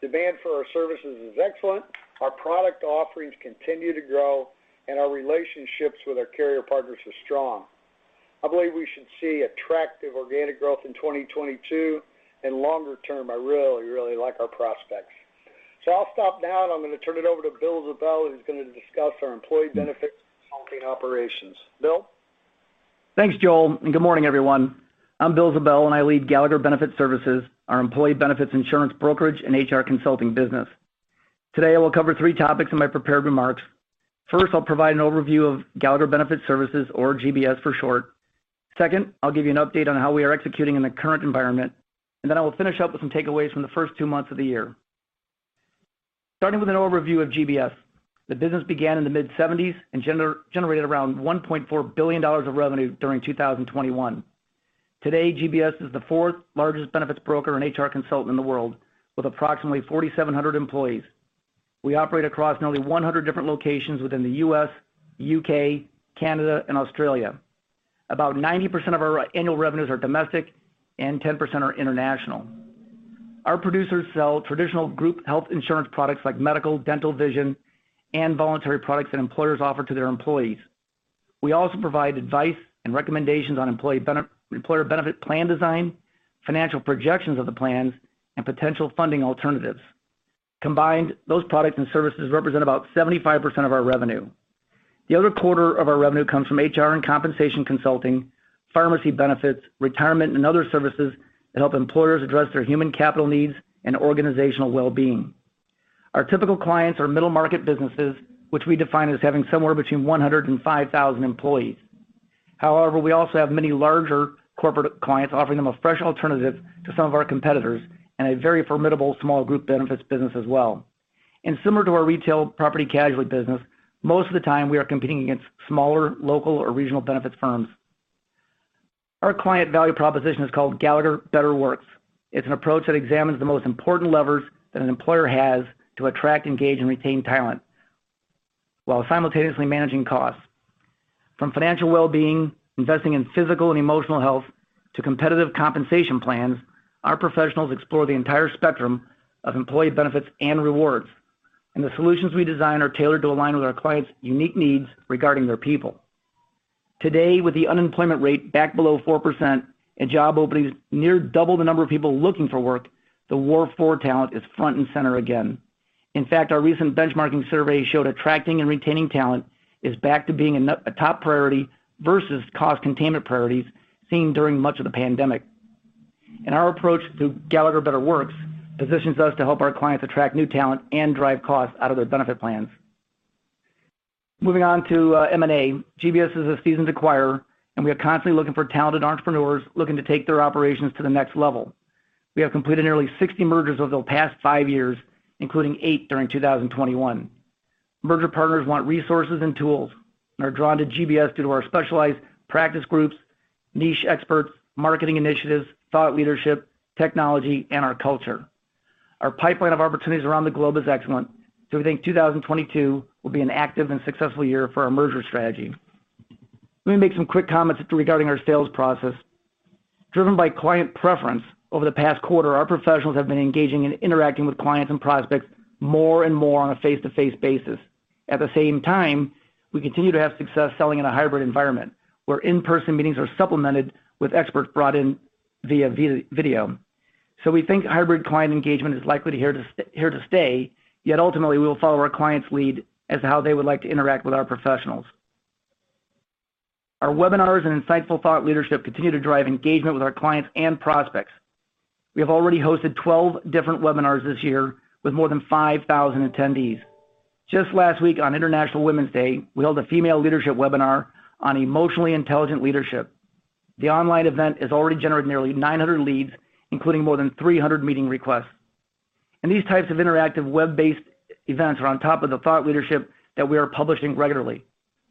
Demand for our services is excellent, our product offerings continue to grow, and our relationships with our carrier partners are strong. I believe we should see attractive organic growth in 2022, and longer term, I really, really like our prospects. I'll stop now, and I'm going to turn it over to William Ziebell, who's going to discuss our employee benefits consulting operations. William? Thanks, Joel, and good morning, everyone. I'm William Ziebell, and I lead Gallagher Benefit Services, our employee benefits insurance brokerage and HR consulting business. Today, I will cover three topics in my prepared remarks. First, I'll provide an overview of Gallagher Benefit Services, or GBS for short. Second, I'll give you an update on how we are executing in the current environment. Then I will finish up with some takeaways from the first two months of the year. Starting with an overview of GBS, the business began in the mid-seventies and generated around $1.4 billion of revenue during 2021. Today, GBS is the fourth largest benefits broker and HR consultant in the world, with approximately 4,700 employees. We operate across nearly 100 different locations within the U.S., U.K., Canada, and Australia. About 90% of our annual revenues are domestic and 10% are international. Our producers sell traditional group health insurance products like medical, dental, vision, and voluntary products that employers offer to their employees. We also provide advice and recommendations on employer benefit plan design, financial projections of the plans, and potential funding alternatives. Combined, those products and services represent about 75% of our revenue. The other quarter of our revenue comes from HR and compensation consulting, pharmacy benefits, retirement, and other services that help employers address their human capital needs and organizational well-being. Our typical clients are middle-market businesses, which we define as having somewhere between 100 and 5,000 employees. However, we also have many larger corporate clients, offering them a fresh alternative to some of our competitors and a very formidable small group benefits business as well. Similar to our retail property and casualty business, most of the time, we are competing against smaller, local, or regional benefits firms. Our client value proposition is called Gallagher Better Works. It's an approach that examines the most important levers that an employer has to attract, engage, and retain talent while simultaneously managing costs. From financial well-being, investing in physical and emotional health, to competitive compensation plans, our professionals explore the entire spectrum of employee benefits and rewards, and the solutions we design are tailored to align with our clients' unique needs regarding their people. Today, with the unemployment rate back below 4% and job openings near double the number of people looking for work, the war for talent is front and center again. In fact, our recent benchmarking survey showed attracting and retaining talent is back to being a top priority versus cost containment priorities seen during much of the pandemic. Our approach through Gallagher Better Works positions us to help our clients attract new talent and drive costs out of their benefit plans. Moving on to M&A, GBS is a seasoned acquirer, and we are constantly looking for talented entrepreneurs looking to take their operations to the next level. We have completed nearly 60 mergers over the past five years, including eight during 2021. Merger partners want resources and tools and are drawn to GBS due to our specialized practice groups, niche experts, marketing initiatives, thought leadership, technology, and our culture. Our pipeline of opportunities around the globe is excellent, so we think 2022 will be an active and successful year for our merger strategy. Let me make some quick comments regarding our sales process. Driven by client preference, over the past quarter, our professionals have been engaging and interacting with clients and prospects more and more on a face-to-face basis. At the same time, we continue to have success selling in a hybrid environment where in-person meetings are supplemented with experts brought in via video. We think hybrid client engagement is likely here to stay, yet ultimately, we will follow our clients' lead as to how they would like to interact with our professionals. Our webinars and insightful thought leadership continue to drive engagement with our clients and prospects. We have already hosted 12 different webinars this year with more than 5,000 attendees. Just last week on International Women's Day, we held a female leadership webinar on emotionally intelligent leadership. The online event has already generated nearly 900 leads, including more than 300 meeting requests. These types of interactive web-based events are on top of the thought leadership that we are publishing regularly.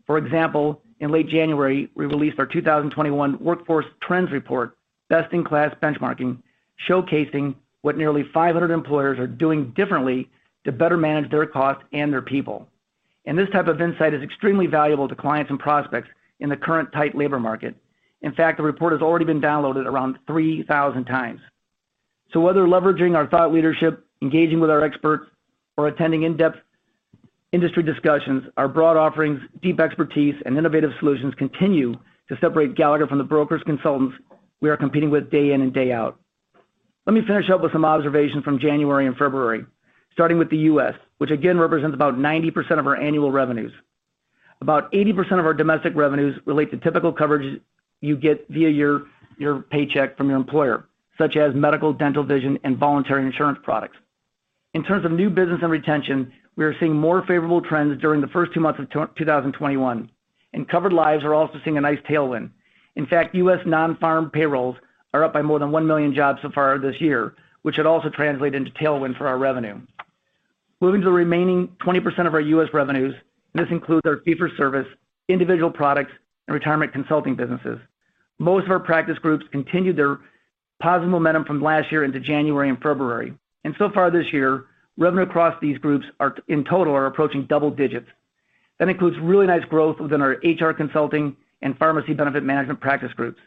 For example, in late January, we released our 2021 Workforce Trends Report: Best in Class Benchmarking, showcasing what nearly 500 employers are doing differently to better manage their costs and their people. This type of insight is extremely valuable to clients and prospects in the current tight labor market. In fact, the report has already been downloaded around 3,000x. Whether leveraging our thought leadership, engaging with our experts, or attending in-depth industry discussions, our broad offerings, deep expertise, and innovative solutions continue to separate Gallagher from the brokers consultants we are competing with day in and day out. Let me finish up with some observations from January and February, starting with the U.S., which again represents about 90% of our annual revenues. About 80% of our domestic revenues relate to typical coverage you get via your paycheck from your employer, such as medical, dental, vision, and voluntary insurance products. In terms of new business and retention, we are seeing more favorable trends during the first two months of 2021, and covered lives are also seeing a nice tailwind. In fact, U.S. non-farm payrolls are up by more than 1 million jobs so far this year, which should also translate into tailwind for our revenue. Moving to the remaining 20% of our U.S. revenues, this includes our fee-for-service, individual products, and retirement consulting businesses. Most of our practice groups continued their positive momentum from last year into January and February. So far this year, revenue across these groups are in total approaching double digits. That includes really nice growth within our HR consulting and pharmacy benefit management practice groups.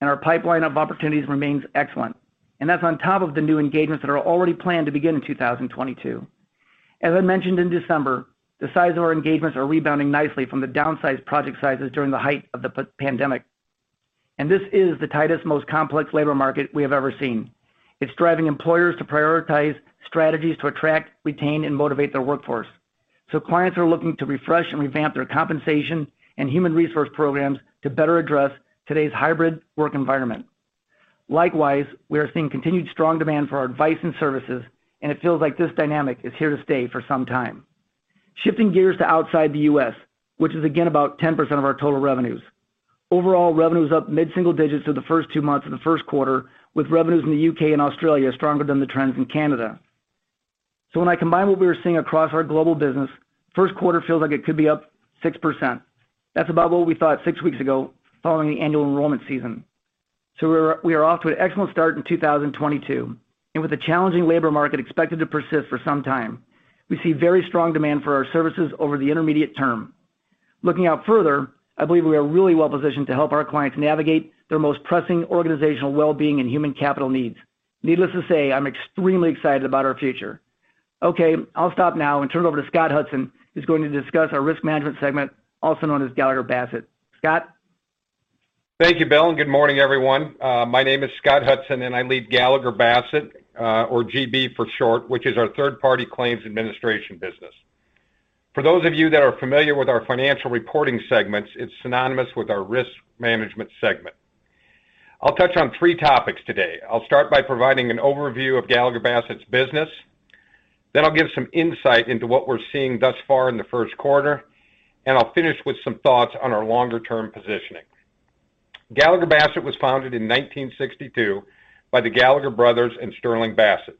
Our pipeline of opportunities remains excellent. That's on top of the new engagements that are already planned to begin in 2022. As I mentioned in December, the size of our engagements are rebounding nicely from the downsized project sizes during the height of the pandemic. This is the tightest, most complex labor market we have ever seen. It's driving employers to prioritize strategies to attract, retain, and motivate their workforce. Clients are looking to refresh and revamp their compensation and human resource programs to better address today's hybrid work environment. Likewise, we are seeing continued strong demand for our advice and services, and it feels like this dynamic is here to stay for some time. Shifting gears to outside the U.S., which is again about 10% of our total revenues. Overall, revenue is up mid-single digits through the first two months of the first quarter, with revenues in the U.K. and Australia stronger than the trends in Canada. When I combine what we are seeing across our global business, first quarter feels like it could be up 6%. That's about what we thought six weeks ago following the annual enrollment season. We're off to an excellent start in 2022. With the challenging labor market expected to persist for some time, we see very strong demand for our services over the intermediate term. Looking out further, I believe we are really well-positioned to help our clients navigate their most pressing organizational well-being and human capital needs. Needless to say, I'm extremely excited about our future. Okay, I'll stop now and turn it over to Scott Hudson, who's going to discuss our risk management segment, also known as Gallagher Bassett. Scott? Thank you, Bill, and good morning, everyone. My name is Scott Hudson, and I lead Gallagher Bassett, or GB for short, which is our third-party claims administration business. For those of you that are familiar with our financial reporting segments, it's synonymous with our risk management segment. I'll touch on three topics today. I'll start by providing an overview of Gallagher Bassett's business. Then I'll give some insight into what we're seeing thus far in the first quarter. I'll finish with some thoughts on our longer-term positioning. Gallagher Bassett was founded in 1962 by the Gallagher brothers and Sterling Bassett.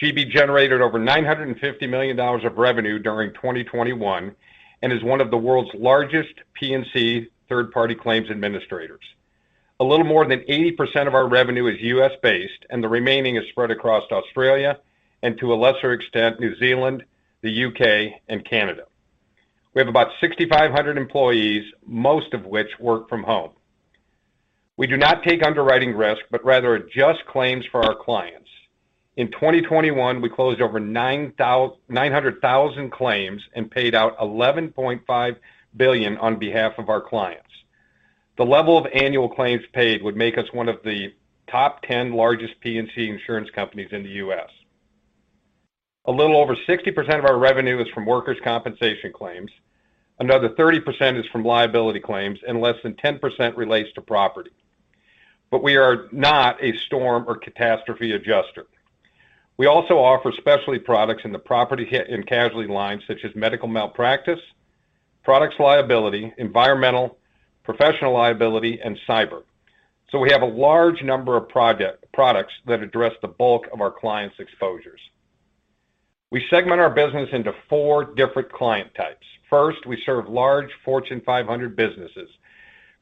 GB generated over $950 million of revenue during 2021 and is one of the world's largest P&C third-party claims administrators. A little more than 80% of our revenue is U.S.-based, and the remaining is spread across Australia and to a lesser extent, New Zealand, the U.K., and Canada. We have about 6,500 employees, most of which work from home. We do not take underwriting risk, but rather adjust claims for our clients. In 2021, we closed over 900,000 claims and paid out $11.5 billion on behalf of our clients. The level of annual claims paid would make us one of the top 10 largest P&C insurance companies in the U.S. A little over 60% of our revenue is from workers' compensation claims. Another 30% is from liability claims, and less than 10% relates to property. We are not a storm or catastrophe adjuster. We also offer specialty products in the property and casualty lines, such as medical malpractice, products liability, environmental, professional liability, and cyber. We have a large number of products that address the bulk of our clients' exposures. We segment our business into four different client types. First, we serve large Fortune 500 businesses,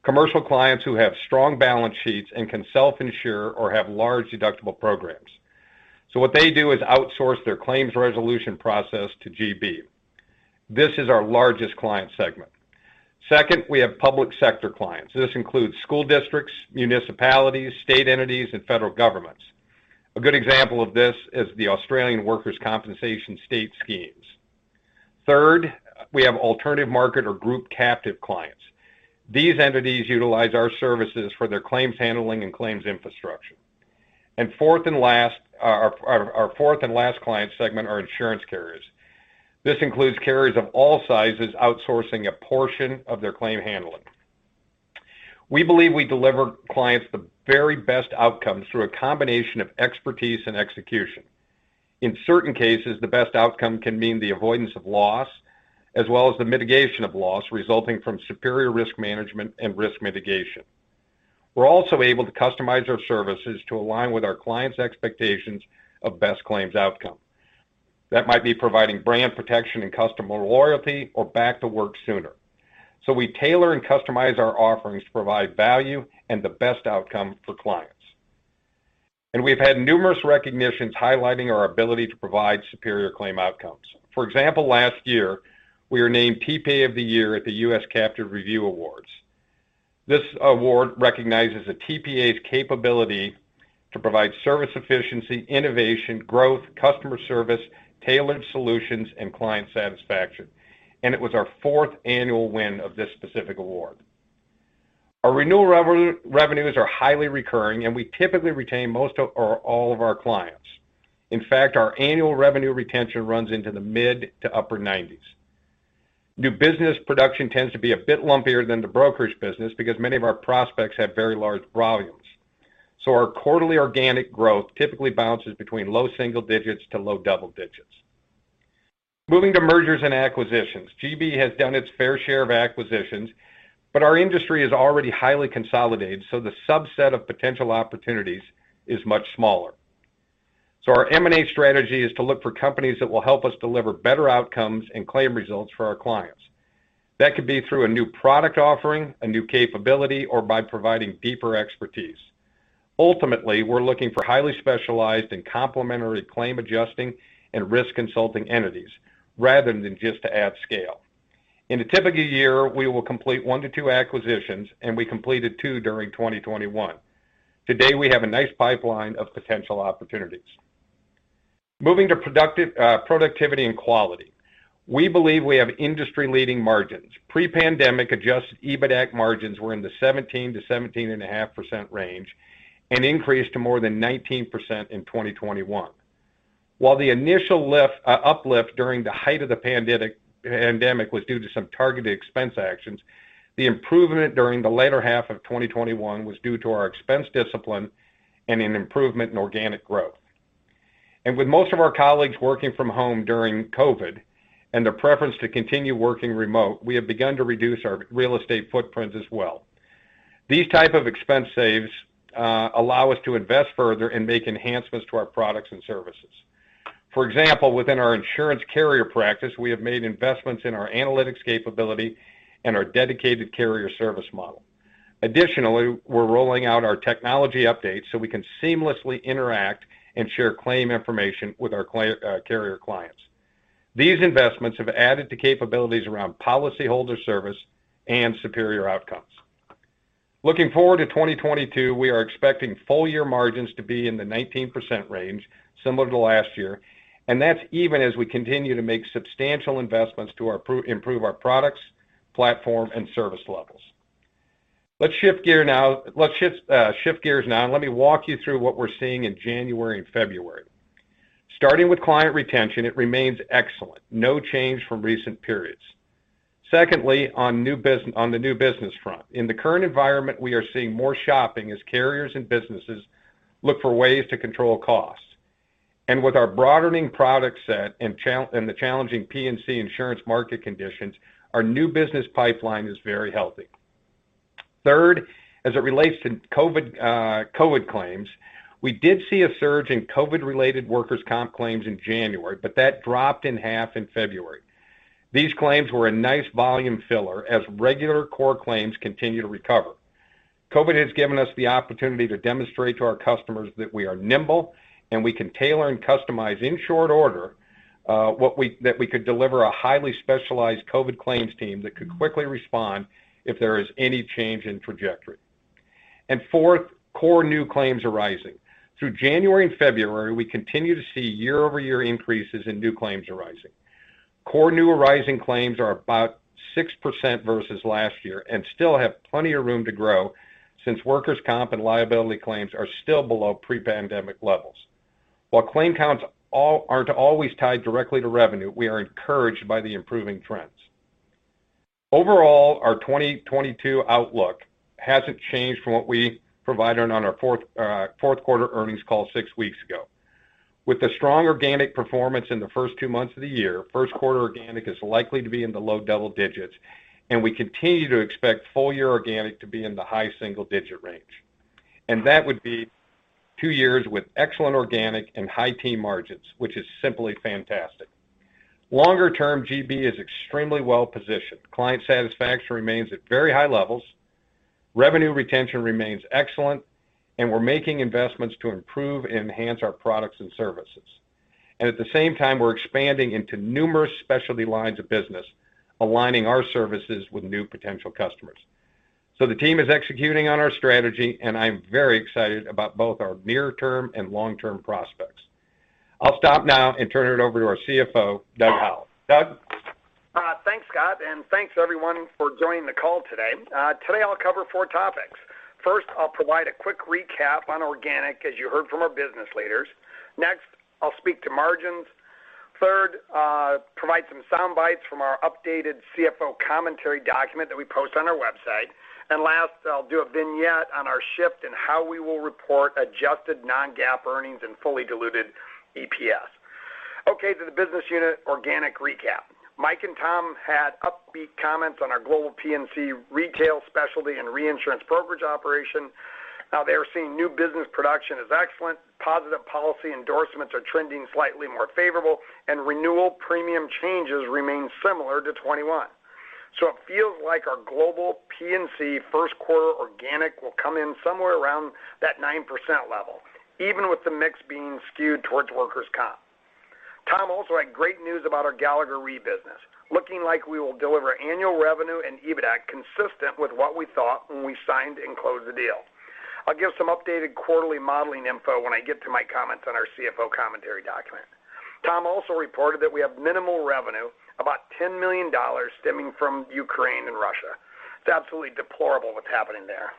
commercial clients who have strong balance sheets and can self-insure or have large deductible programs. What they do is outsource their claims resolution process to GB. This is our largest client segment. Second, we have public sector clients. This includes school districts, municipalities, state entities, and federal governments. A good example of this is the Australian Workers Compensation state schemes. Third, we have alternative market or group captive clients. These entities utilize our services for their claims handling and claims infrastructure. Fourth and last, our fourth and last client segment are insurance carriers. This includes carriers of all sizes outsourcing a portion of their claim handling. We believe we deliver clients the very best outcomes through a combination of expertise and execution. In certain cases, the best outcome can mean the avoidance of loss, as well as the mitigation of loss resulting from superior risk management and risk mitigation. We're also able to customize our services to align with our clients' expectations of best claims outcome. That might be providing brand protection and customer loyalty or back to work sooner. We tailor and customize our offerings to provide value and the best outcome for clients. We've had numerous recognitions highlighting our ability to provide superior claim outcomes. For example, last year, we were named TPA of the Year at the Captive Review U.S, Awards. This award recognizes a TPA's capability to provide service efficiency, innovation, growth, customer service, tailored solutions, and client satisfaction. It was our fourth annual win of this specific award. Our renewal revenues are highly recurring, and we typically retain most of or all of our clients. In fact, our annual revenue retention runs into the mid- to upper 90s%. New business production tends to be a bit lumpier than the brokerage business because many of our prospects have very large volumes. Our quarterly organic growth typically bounces between low single digits for percent to low double digits for percent. Moving to mergers and acquisitions, GB has done its fair share of acquisitions, but our industry is already highly consolidated, so the subset of potential opportunities is much smaller. Our M&A strategy is to look for companies that will help us deliver better outcomes and claims results for our clients. That could be through a new product offering, a new capability, or by providing deeper expertise. Ultimately, we're looking for highly specialized and complementary claim adjusting and risk consulting entities rather than just to add scale. In a typical year, we will complete one to two acquisitions, and we completed two during 2021. Today, we have a nice pipeline of potential opportunities. Moving to productive, productivity and quality. We believe we have industry-leading margins. Pre-pandemic, adjusted EBITAC margins were in the 17%-17.5% range and increased to more than 19% in 2021. While the initial lift, uplift during the height of the pandemic was due to some targeted expense actions, the improvement during the latter half of 2021 was due to our expense discipline and an improvement in organic growth. With most of our colleagues working from home during COVID and the preference to continue working remote, we have begun to reduce our real estate footprint as well. These type of expense savings allow us to invest further and make enhancements to our products and services. For example, within our insurance carrier practice, we have made investments in our analytics capability and our dedicated carrier service model. Additionally, we're rolling out our technology updates so we can seamlessly interact and share claim information with our carrier clients. These investments have added to capabilities around policyholder service and superior outcomes. Looking forward to 2022, we are expecting full year margins to be in the 19% range, similar to last year. That's even as we continue to make substantial investments to improve our products, platform, and service levels. Let's shift gear now. Let's shift gears now, let me walk you through what we're seeing in January and February. Starting with client retention, it remains excellent. No change from recent periods. Secondly, on the new business front, in the current environment, we are seeing more shopping as carriers and businesses look for ways to control costs. With our broadening product set and the challenging P&C insurance market conditions, our new business pipeline is very healthy. Third, as it relates to COVID claims, we did see a surge in COVID-related workers' comp claims in January, but that dropped in half in February. These claims were a nice volume filler as regular core claims continue to recover. COVID has given us the opportunity to demonstrate to our customers that we are nimble, and we can tailor and customize in short order, that we could deliver a highly specialized COVID claims team that could quickly respond if there is any change in trajectory. Fourth, core new claims arising. Through January and February, we continue to see year-over-year increases in new claims arising. Core new arising claims are about 6% versus last year and still have plenty of room to grow since workers' comp and liability claims are still below pre-pandemic levels. While claim counts aren't always tied directly to revenue, we are encouraged by the improving trends. Overall, our 2022 outlook hasn't changed from what we provided on our fourth quarter earnings call six weeks ago. With the strong organic performance in the first two months of the year, first quarter organic is likely to be in the low double digits for percent, and we continue to expect full year organic to be in the high single-digit range for percent. That would be two years with excellent organic and high-teen margins, which is simply fantastic. Longer-term, GB is extremely well-positioned. Client satisfaction remains at very high levels, revenue retention remains excellent, and we're making investments to improve and enhance our products and services. At the same time, we're expanding into numerous specialty lines of business, aligning our services with new potential customers. The team is executing on our strategy, and I'm very excited about both our near-term and long-term prospects. I'll stop now and turn it over to our CFO, Doug Howell. Doug? Thanks, Scott, and thanks everyone for joining the call today. Today I'll cover four topics. First, I'll provide a quick recap on organic, as you heard from our business leaders. Next, I'll speak to margins. Third, provide some sound bites from our updated CFO Commentary document that we post on our website. Last, I'll do a vignette on our shift and how we will report adjusted non-GAAP earnings and fully diluted EPS. Okay, to the business unit organic recap. Mike and Tom had upbeat comments on our global P&C retail specialty and reinsurance brokerage operation. Now they are seeing new business production as excellent, positive policy endorsements are trending slightly more favorable, and renewal premium changes remain similar to 2021. It feels like our global P&C first quarter organic will come in somewhere around that 9% level, even with the mix being skewed towards workers' comp. Tom also had great news about our Gallagher Re business, looking like we will deliver annual revenue and EBITAC consistent with what we thought when we signed and closed the deal. I'll give some updated quarterly modeling info when I get to my comments on our CFO Commentary document. Tom also reported that we have minimal revenue, about $10 million stemming from Ukraine and Russia. It's absolutely deplorable what's happening there.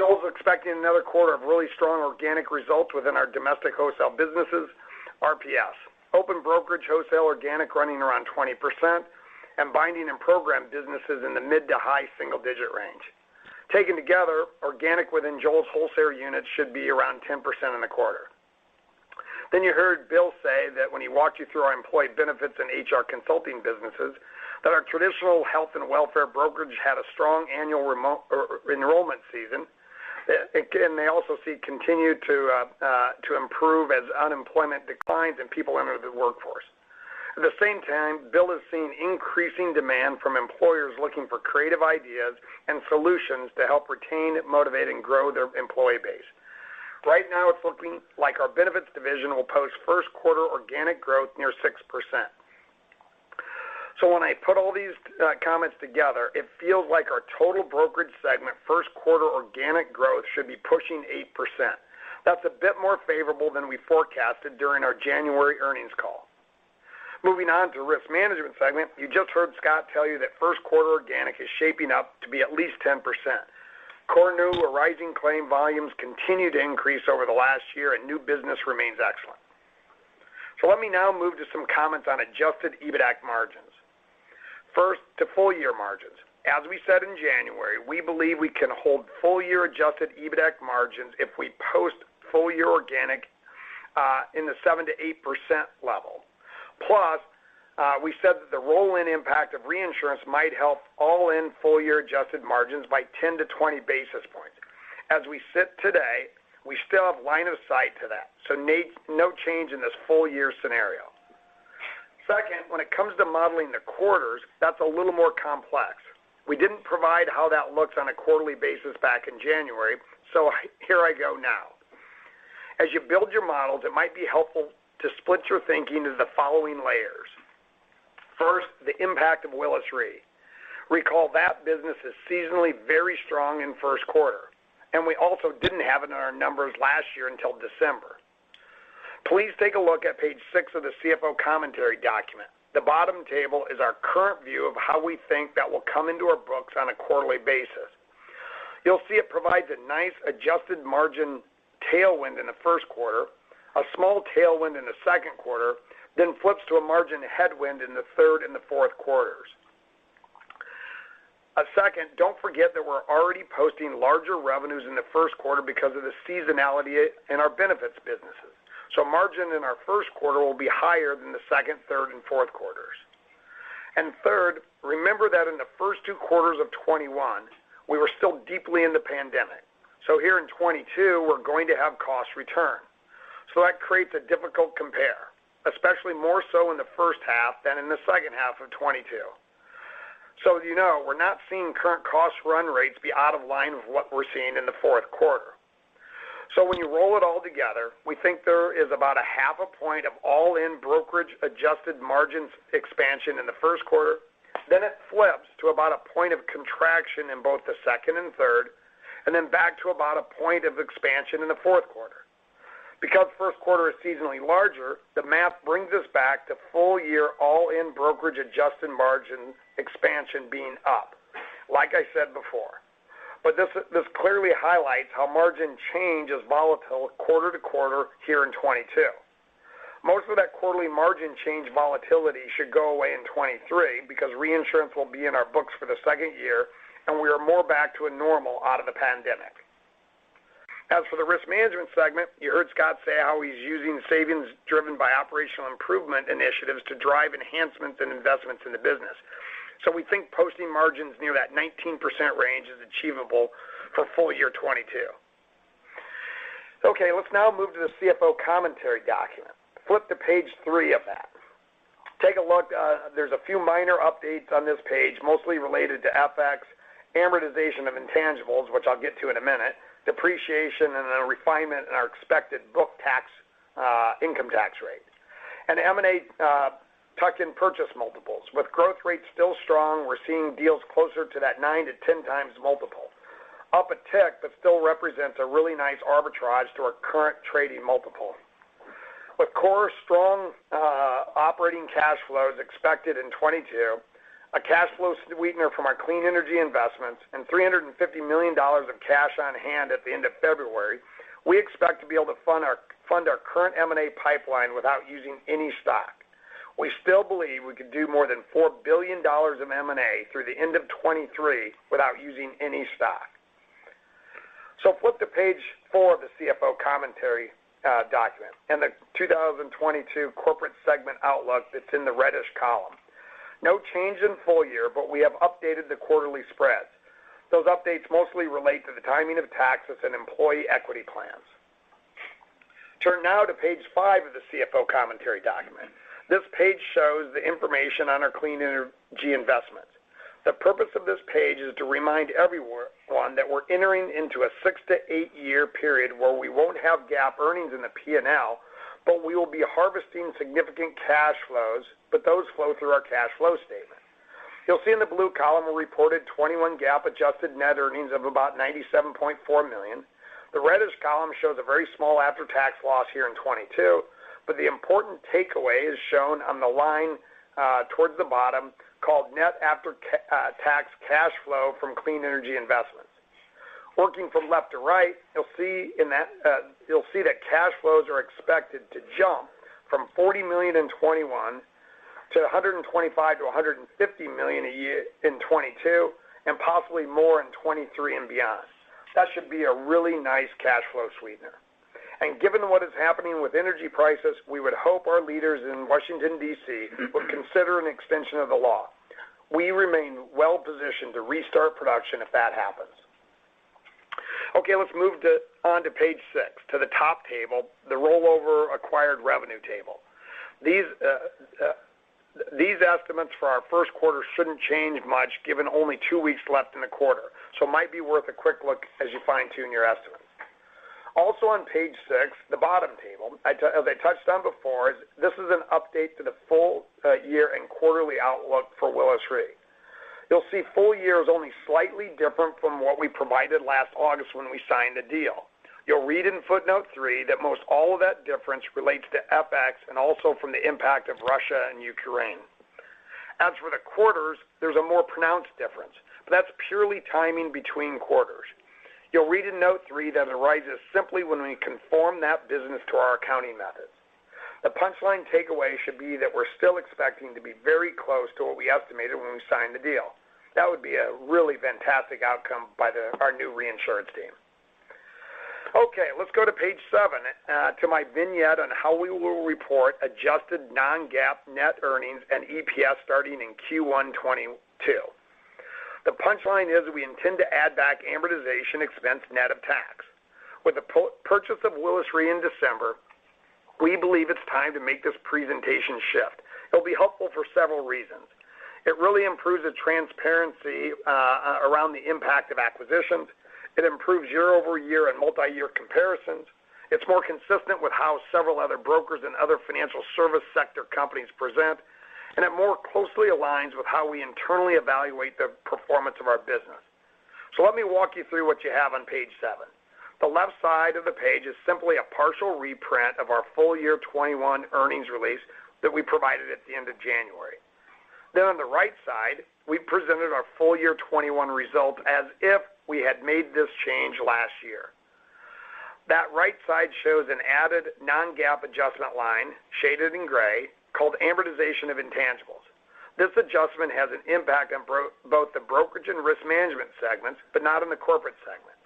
Joel's expecting another quarter of really strong organic results within our domestic wholesale businesses, RPS. Open brokerage wholesale organic running around 20% and binding and program businesses in the mid- to high single-digit range. Taken together, organic within Joel's wholesale units should be around 10% in the quarter. You heard William say that when he walked you through our employee benefits and HR consulting businesses that our traditional health and welfare brokerage had a strong annual enrollment season. And they also see continued to improve as unemployment declines and people enter the workforce. At the same time, Bill is seeing increasing demand from employers looking for creative ideas and solutions to help retain, motivate, and grow their employee base. Right now, it's looking like our benefits division will post first quarter organic growth near 6%. When I put all these comments together, it feels like our total brokerage segment first quarter organic growth should be pushing 8%. That's a bit more favorable than we forecasted during our January earnings call. Moving on to risk management segment, you just heard Scott tell you that first quarter organic is shaping up to be at least 10%. Core new arising claim volumes continue to increase over the last year and new business remains excellent. Let me now move to some comments on adjusted EBITAC margins. First, to full year margins. As we said in January, we believe we can hold full year adjusted EBITAC margins if we post full year organic in the 7%-8% level. Plus, we said that the roll-in impact of reinsurance might help all-in full year adjusted margins by 10-20 basis points. As we sit today, we still have line of sight to that, so no change in this full-year scenario. Second, when it comes to modeling the quarters, that's a little more complex. We didn't provide how that looks on a quarterly basis back in January, so here I go now. As you build your models, it might be helpful to split your thinking into the following layers. First, the impact of Willis Re. Recall that business is seasonally very strong in first quarter, and we also didn't have it in our numbers last year until December. Please take a look at page 6 of the CFO Commentary document. The bottom table is our current view of how we think that will come into our books on a quarterly basis. You'll see it provides a nice adjusted margin tailwind in the first quarter, a small tailwind in the second quarter, then flips to a margin headwind in the third and the fourth quarters. Second, don't forget that we're already posting larger revenues in the first quarter because of the seasonality in our benefits businesses. Margin in our first quarter will be higher than the second, third, and fourth quarters. Third, remember that in the first two quarters of 2021, we were still deeply in the pandemic. Here in 2022, we're going to have costs return. That creates a difficult compare, especially more so in the first half than in the second half of 2022. You know, we're not seeing current cost run rates be out of line with what we're seeing in the fourth quarter. When you roll it all together, we think there is about a half a point of all-in brokerage adjusted margins expansion in the first quarter. It flips to about a point of contraction in both the second and third, and then back to about a point of expansion in the fourth quarter. First quarter is seasonally larger, the math brings us back to full-year all-in brokerage adjusted margin expansion being up, like I said before. This, this clearly highlights how margin change is volatile quarter to quarter here in 2022. Most of that quarterly margin change volatility should go away in 2022 because reinsurance will be in our books for the second year, and we are more back to a normal out of the pandemic. As for the risk management segment, you heard Scott say how he's using savings driven by operational improvement initiatives to drive enhancements and investments in the business. We think posting margins near that 19% range is achievable for full year 2022. Okay, let's now move to the CFO Commentary document. Flip to page 3 of that. Take a look. There's a few minor updates on this page, mostly related to FX amortization of intangibles, which I'll get to in a minute, depreciation and a refinement in our expected book-to-tax income tax rate. M&A tuck-in purchase multiples. With growth rates still strong, we're seeing deals closer to that nine to 10x multiple. Up a tick, but still represents a really nice arbitrage to our current trading multiple. With core strong operating cash flows expected in 2022, a cash flow sweetener from our clean energy investments and $350 million of cash on hand at the end of February, we expect to be able to fund our current M&A pipeline without using any stock. We still believe we could do more than $4 billion of M&A through the end of 2023 without using any stock. Flip to page 4 of the CFO Commentary document and the 2022 corporate segment outlook that's in the reddish column. No change in full year, but we have updated the quarterly spreads. Those updates mostly relate to the timing of taxes and employee equity plans. Turn now to page 5 of the CFO Commentary document. This page shows the information on our clean energy investments. The purpose of this page is to remind everyone that we're entering into a six to eight-year period where we won't have GAAP earnings in the P&L, but we will be harvesting significant cash flows, but those flow through our cash flow statement. You'll see in the blue column, we reported 2021 GAAP adjusted net earnings of about $97.4 million. The reddish column shows a very small after-tax loss here in 2022, but the important takeaway is shown on the line towards the bottom called net after-tax cash flow from clean energy investments. Working from left to right, you'll see that cash flows are expected to jump from $40 million in 2021 to $125 million-$150 million a year in 2022, and possibly more in 2023 and beyond. That should be a really nice cash flow sweetener. Given what is happening with energy prices, we would hope our leaders in Washington, D.C., would consider an extension of the law. We remain well-positioned to restart production if that happens. Okay, let's move on to page six, to the top table, the rollover acquired revenue table. These estimates for our first quarter shouldn't change much given only two weeks left in the quarter, so it might be worth a quick look as you fine-tune your estimates. Also on page six, the bottom table, as I touched on before, is an update to the full year and quarterly outlook for Willis Re. You'll see full year is only slightly different from what we provided last August when we signed the deal. You'll read in footnote three that most all of that difference relates to FX and also from the impact of Russia and Ukraine. As for the quarters, there's a more pronounced difference, but that's purely timing between quarters. You'll read in note three that it arises simply when we conform that business to our accounting methods. The punchline takeaway should be that we're still expecting to be very close to what we estimated when we signed the deal. That would be a really fantastic outcome by our new reinsurance team. Okay, let's go to page 7 to my vignette on how we will report adjusted non-GAAP net earnings and EPS starting in Q1 2022. The punchline is we intend to add back amortization expense net of tax. With the purchase of Willis Re in December, we believe it's time to make this presentation shift. It'll be helpful for several reasons. It really improves the transparency around the impact of acquisitions. It improves year-over-year and multiyear comparisons. It's more consistent with how several other brokers and other financial service sector companies present, and it more closely aligns with how we internally evaluate the performance of our business. Let me walk you through what you have on page 7. The left side of the page is simply a partial reprint of our full year 2021 earnings release that we provided at the end of January. On the right side, we presented our full year 2021 results as if we had made this change last year. That right side shows an added non-GAAP adjustment line, shaded in gray, called amortization of intangibles. This adjustment has an impact on both the Brokerage and Risk Management segments, but not in the Corporate segment.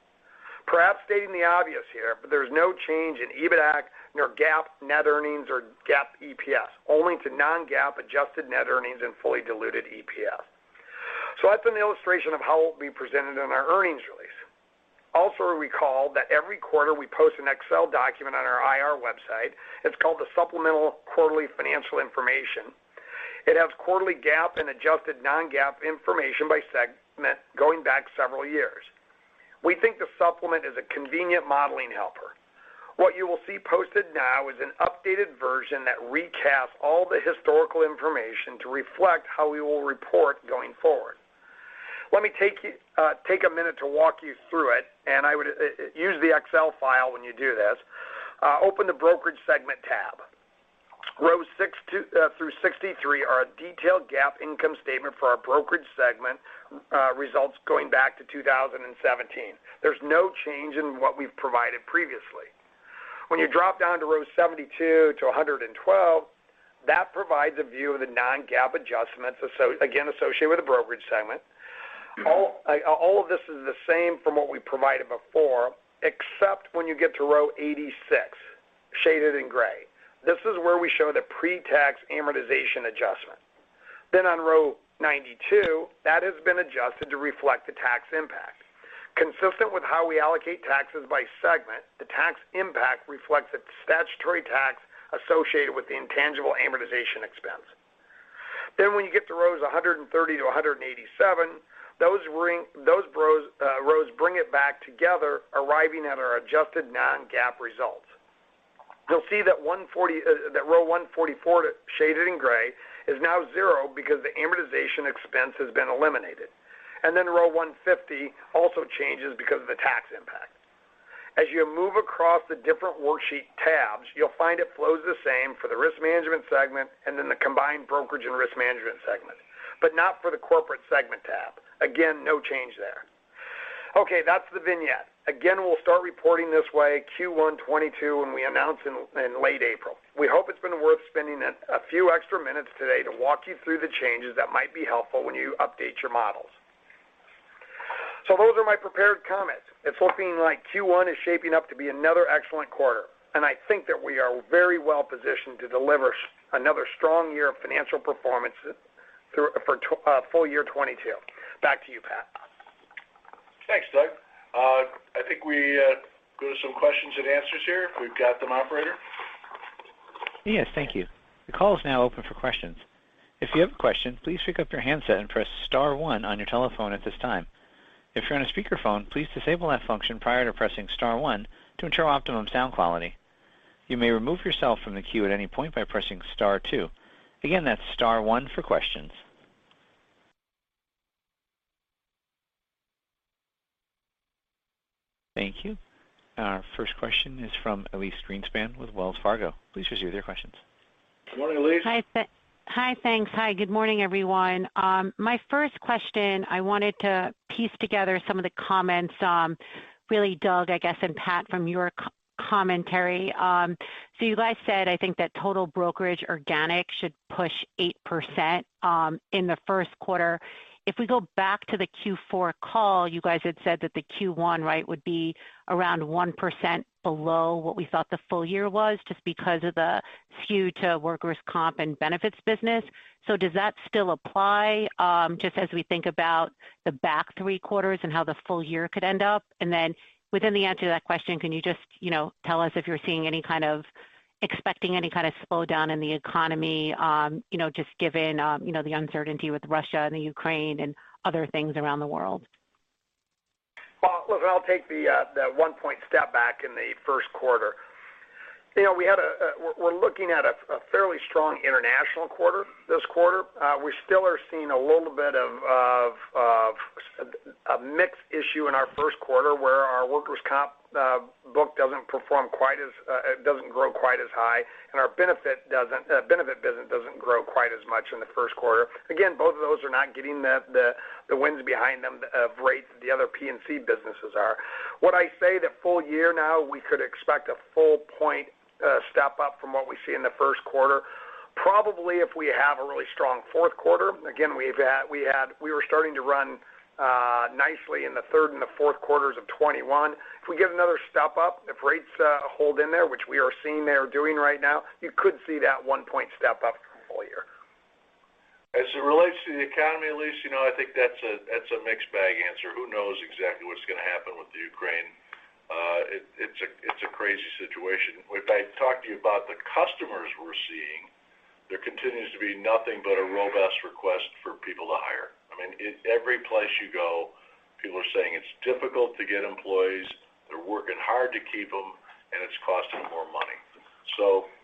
Perhaps stating the obvious here, but there's no change in EBITAC nor GAAP net earnings or GAAP EPS, only to non-GAAP adjusted net earnings and fully diluted EPS. So that's an illustration of how it will be presented in our earnings release. Also recall that every quarter we post an Excel document on our IR website. It's called the Supplemental Quarterly Financial Information. It has quarterly GAAP and adjusted non-GAAP information by segment going back several years. We think the supplement is a convenient modeling helper. What you will see posted now is an updated version that recasts all the historical information to reflect how we will report going forward. Let me take a minute to walk you through it, and I would use the Excel file when you do this. Open the Brokerage Segment tab. Rows six through 63 are a detailed GAAP income statement for our brokerage segment results going back to 2017. There's no change in what we've provided previously. When you drop down to row 72 to 112, that provides a view of the non-GAAP adjustments associated with the brokerage segment. All of this is the same from what we provided before, except when you get to row 86, shaded in gray. This is where we show the pre-tax amortization adjustment. Then on row 92, that has been adjusted to reflect the tax impact. Consistent with how we allocate taxes by segment, the tax impact reflects the statutory tax associated with the intangible amortization expense. When you get to rows 130 to 187, those rows bring it back together, arriving at our adjusted non-GAAP results. You'll see that row 144 shaded in gray is now zero because the amortization expense has been eliminated. Row 150 also changes because of the tax impact. As you move across the different worksheet tabs, you'll find it flows the same for the risk management segment and then the combined brokerage and risk management segment, but not for the corporate segment tab. No change there. Okay, that's the vignette. We'll start reporting this way Q1 2022, when we announce in late April. We hope it's been worth spending a few extra minutes today to walk you through the changes that might be helpful when you update your models. Those are my prepared comments. It's looking like Q1 is shaping up to be another excellent quarter, and I think that we are very well-positioned to deliver another strong year of financial performance through full year 2022. Back to you, Pat. Thanks, Doug. I think we go to some questions and answers here, if we've got them, operator. Yes. Thank you. The call is now open for questions. If you have a question, please pick up your handset and press star one on your telephone at this time. If you're on a speakerphone, please disable that function prior to pressing star one to ensure optimum sound quality. You may remove yourself from the queue at any point by pressing star two. Again, that's star one for questions. Thank you. Our first question is from Elyse Greenspan with Wells Fargo. Please proceed with your questions. Good morning, Elyse. Hi. Thanks. Good morning, everyone. My first question, I wanted to piece together some of the comments, really, Doug, I guess, and Pat, from your commentary. You guys said, I think, that total brokerage organic should push 8% in the first quarter. If we go back to the Q4 call, you guys had said that the Q1, right, would be around 1% below what we thought the full year was, just because of the skew to workers' comp and benefits business. Does that still apply, just as we think about the back three quarters and how the full year could end up? Within the answer to that question, can you just, you know, tell us if you're seeing expecting any kind of slowdown in the economy, you know, just given, you know, the uncertainty with Russia and the Ukraine and other things around the world? Well, look, I'll take the 1-point step back in the first quarter. You know, we are looking at a fairly strong international quarter this quarter. We still are seeing a little bit of a mix issue in our first quarter, where our workers' comp book doesn't perform quite as, doesn't grow quite as high, and our benefit business doesn't grow quite as much in the first quarter. Again, both of those are not getting the winds behind them of rates that the other P&C businesses are. Would I say the full year now we could expect a full point step-up from what we see in the first quarter? Probably if we have a really strong fourth quarter. Again, we were starting to run nicely in the third and the fourth quarters of 2021. If we get another step-up, if rates hold in there, which we are seeing they are doing right now, you could see that 1-point step-up for the full year. As it relates to the economy, Elyse, you know, I think that's a mixed bag answer. Who knows exactly what's going to happen with Ukraine? It's a crazy situation. If I talk to you about the customers we're seeing, there continues to be nothing but a robust request for people to hire. I mean, every place you go, people are saying it's difficult to get employees, they're working hard to keep them, and it's costing more money.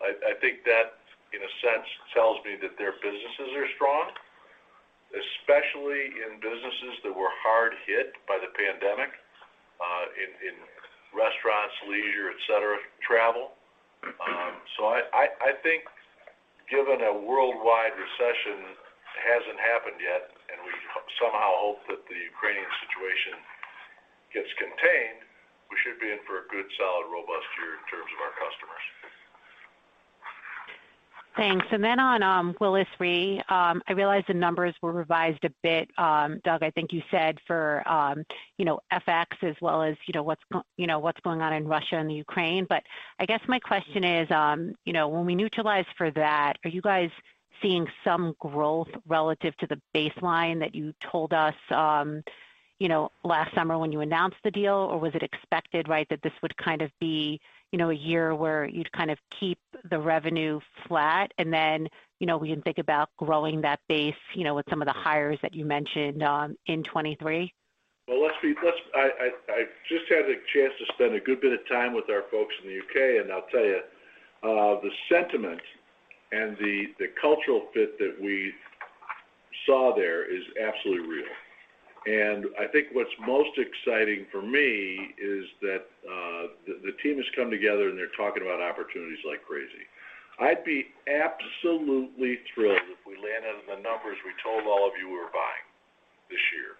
I think that in a sense tells me that their businesses are strong, especially in businesses that were hard hit by the pandemic, in restaurants, leisure, et cetera, travel. I think given a worldwide recession hasn't happened yet, and we somehow hope that the Ukrainian situation gets contained, we should be in for a good, solid, robust year in terms of our customers. Thanks. On Willis Re, I realize the numbers were revised a bit, Doug. I think you said for you know, FX as well as, you know, what's going on in Russia and the Ukraine. But I guess my question is, you know, when we neutralize for that, are you guys seeing some growth relative to the baseline that you told us, you know, last summer when you announced the deal? Or was it expected, right, that this would kind of be, you know, a year where you'd kind of keep the revenue flat and then, you know, we can think about growing that base, you know, with some of the hires that you mentioned in 2023? I just had a chance to spend a good bit of time with our folks in the U.K., and I'll tell you, the sentiment and the cultural fit that we saw there is absolutely real. I think what's most exciting for me is that the team has come together and they're talking about opportunities like crazy. I'd be absolutely thrilled if we land on the numbers we told all of you we were buying this year.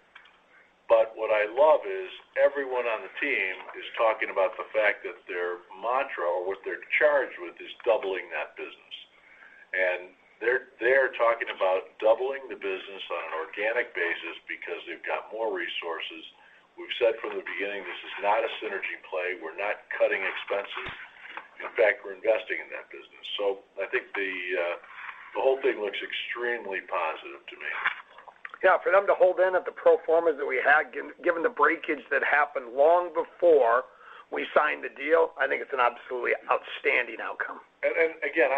What I love is everyone on the team is talking about the fact that their mantra or what they're charged with is doubling that business. They're talking about doubling the business on an organic basis because they've got more resources. We've said from the beginning, this is not a synergy play. We're not cutting expenses. In fact, we're investing in that business. I think the whole thing looks extremely positive to me. Yeah. For them to hold in at the pro formas that we had, given the breakage that happened long before we signed the deal, I think it's an absolutely outstanding outcome. Again,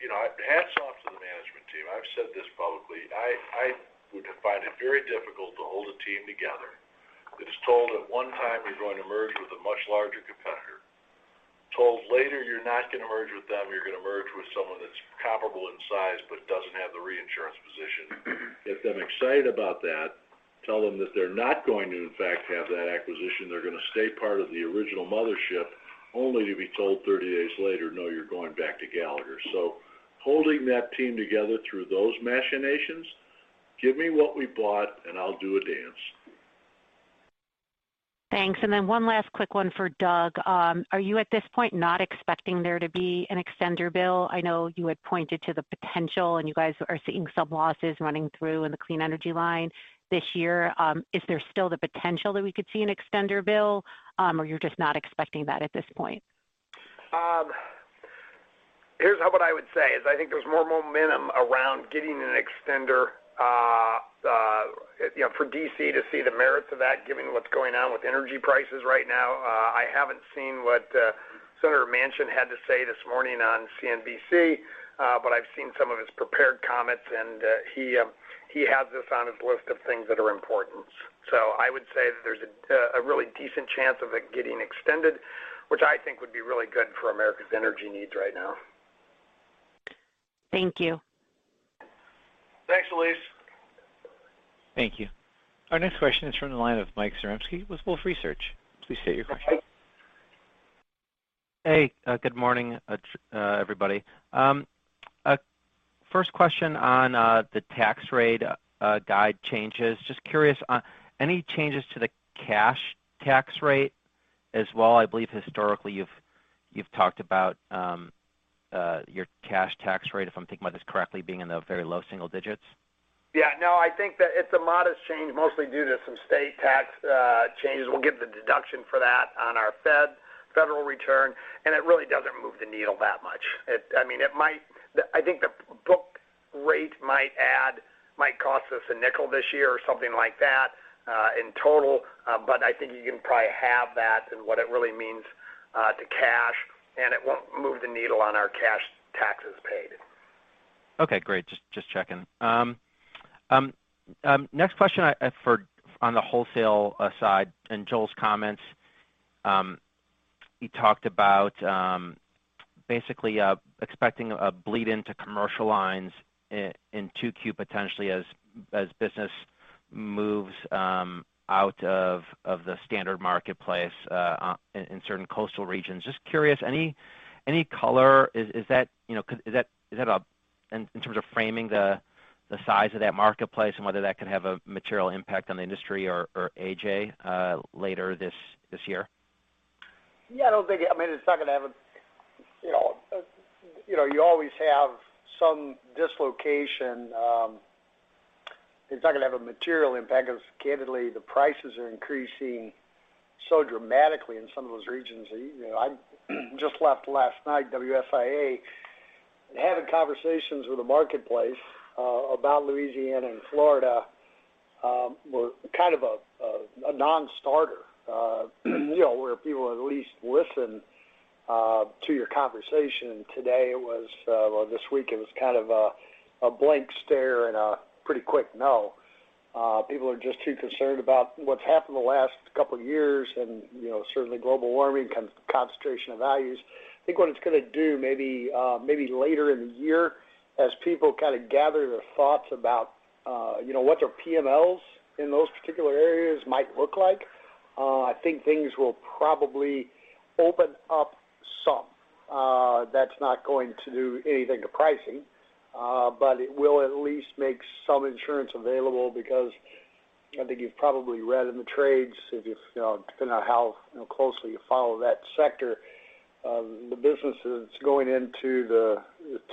you know, hats off to the management team. I've said this publicly. I would find it very difficult to hold a team together that is told at one time you're going to merge with a much larger competitor, told later you're not going to merge with them, you're going to merge with someone that's comparable in size but doesn't have the reinsurance position. Get them excited about that, tell them that they're not going to, in fact, have that acquisition. They're going to stay part of the original mothership, only to be told thirty days later, "No, you're going back to Gallagher." Holding that team together through those machinations, give me what we bought, and I'll do a dance. Thanks. One last quick one for Doug. Are you at this point not expecting there to be an extender bill? I know you had pointed to the potential, and you guys are seeing some losses running through in the clean energy line this year. Is there still the potential that we could see an extender bill, or you're just not expecting that at this point? Here's what I would say is I think there's more momentum around getting an extender, you know, for D.C. to see the merits of that, given what's going on with energy prices right now. I haven't seen what Senator Manchin had to say this morning on CNBC, but I've seen some of his prepared comments, and he has this on his list of things that are important. I would say that there's a really decent chance of it getting extended, which I think would be really good for America's energy needs right now. Thank you. Thanks, Elyse. Thank you. Our next question is from the line of Mike Zaremski with Wolfe Research. Please state your question. Hey, good morning, everybody. First question on the tax rate guidance changes. Just curious on any changes to the cash tax rate as well? I believe historically you've talked about your cash tax rate, if I'm thinking about this correctly, being in the very low single digits. Yeah. No, I think that it's a modest change, mostly due to some state tax changes. We'll get the deduction for that on our federal return, and it really doesn't move the needle that much. I mean, I think the book rate might add, might cost us a nickel this year or something like that, in total. I think you can probably halve that in what it really means to cash, and it won't move the needle on our cash taxes paid. Okay, great. Just checking. Next question on the wholesale side and Joel's comments. He talked about basically expecting a bleed into commercial lines in 2Q potentially as business moves out of the standard marketplace in certain coastal regions. Just curious, any color? Is that, you know, in terms of framing the size of that marketplace and whether that could have a material impact on the industry or AJ later this year? I mean, you know, you always have some dislocation. It's not going to have a material impact because candidly, the prices are increasing so dramatically in some of those regions. You know, I just left last night, WSIA, and having conversations with the marketplace about Louisiana and Florida were kind of a non-starter, you know, where people would at least listen to your conversation. This week it was kind of a blank stare and a pretty quick no. People are just too concerned about what's happened the last couple of years and, you know, certainly global warming concentration of values. I think what it's going to do maybe later in the year as people kind of gather their thoughts about, you know, what their PMLs in those particular areas might look like, I think things will probably open up some. That's not going to do anything to pricing, but it will at least make some insurance available because I think you've probably read in the trades if you've, you know, depending on how, you know, closely you follow that sector, the businesses going into the,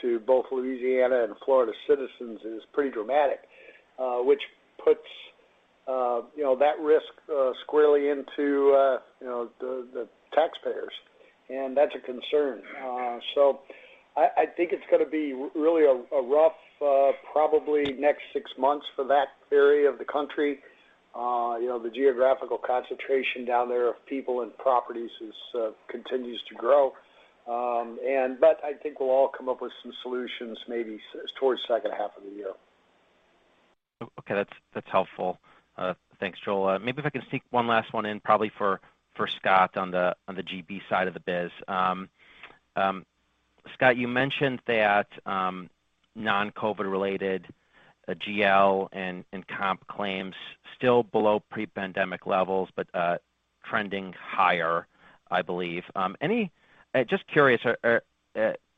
to both Louisiana and Florida citizens is pretty dramatic, which puts, you know, that risk, squarely into, you know, the taxpayers, and that's a concern. I think it's gonna be really a rough, probably next six months for that area of the country. You know, the geographical concentration down there of people and properties continues to grow. I think we'll all come up with some solutions maybe towards the second half of the year. Okay, that's helpful. Thanks, Joel. Maybe if I can sneak one last one in, probably for Scott on the GB side of the biz. Scott, you mentioned that non-COVID related GL and comp claims still below pre-pandemic levels, but trending higher, I believe. Just curious,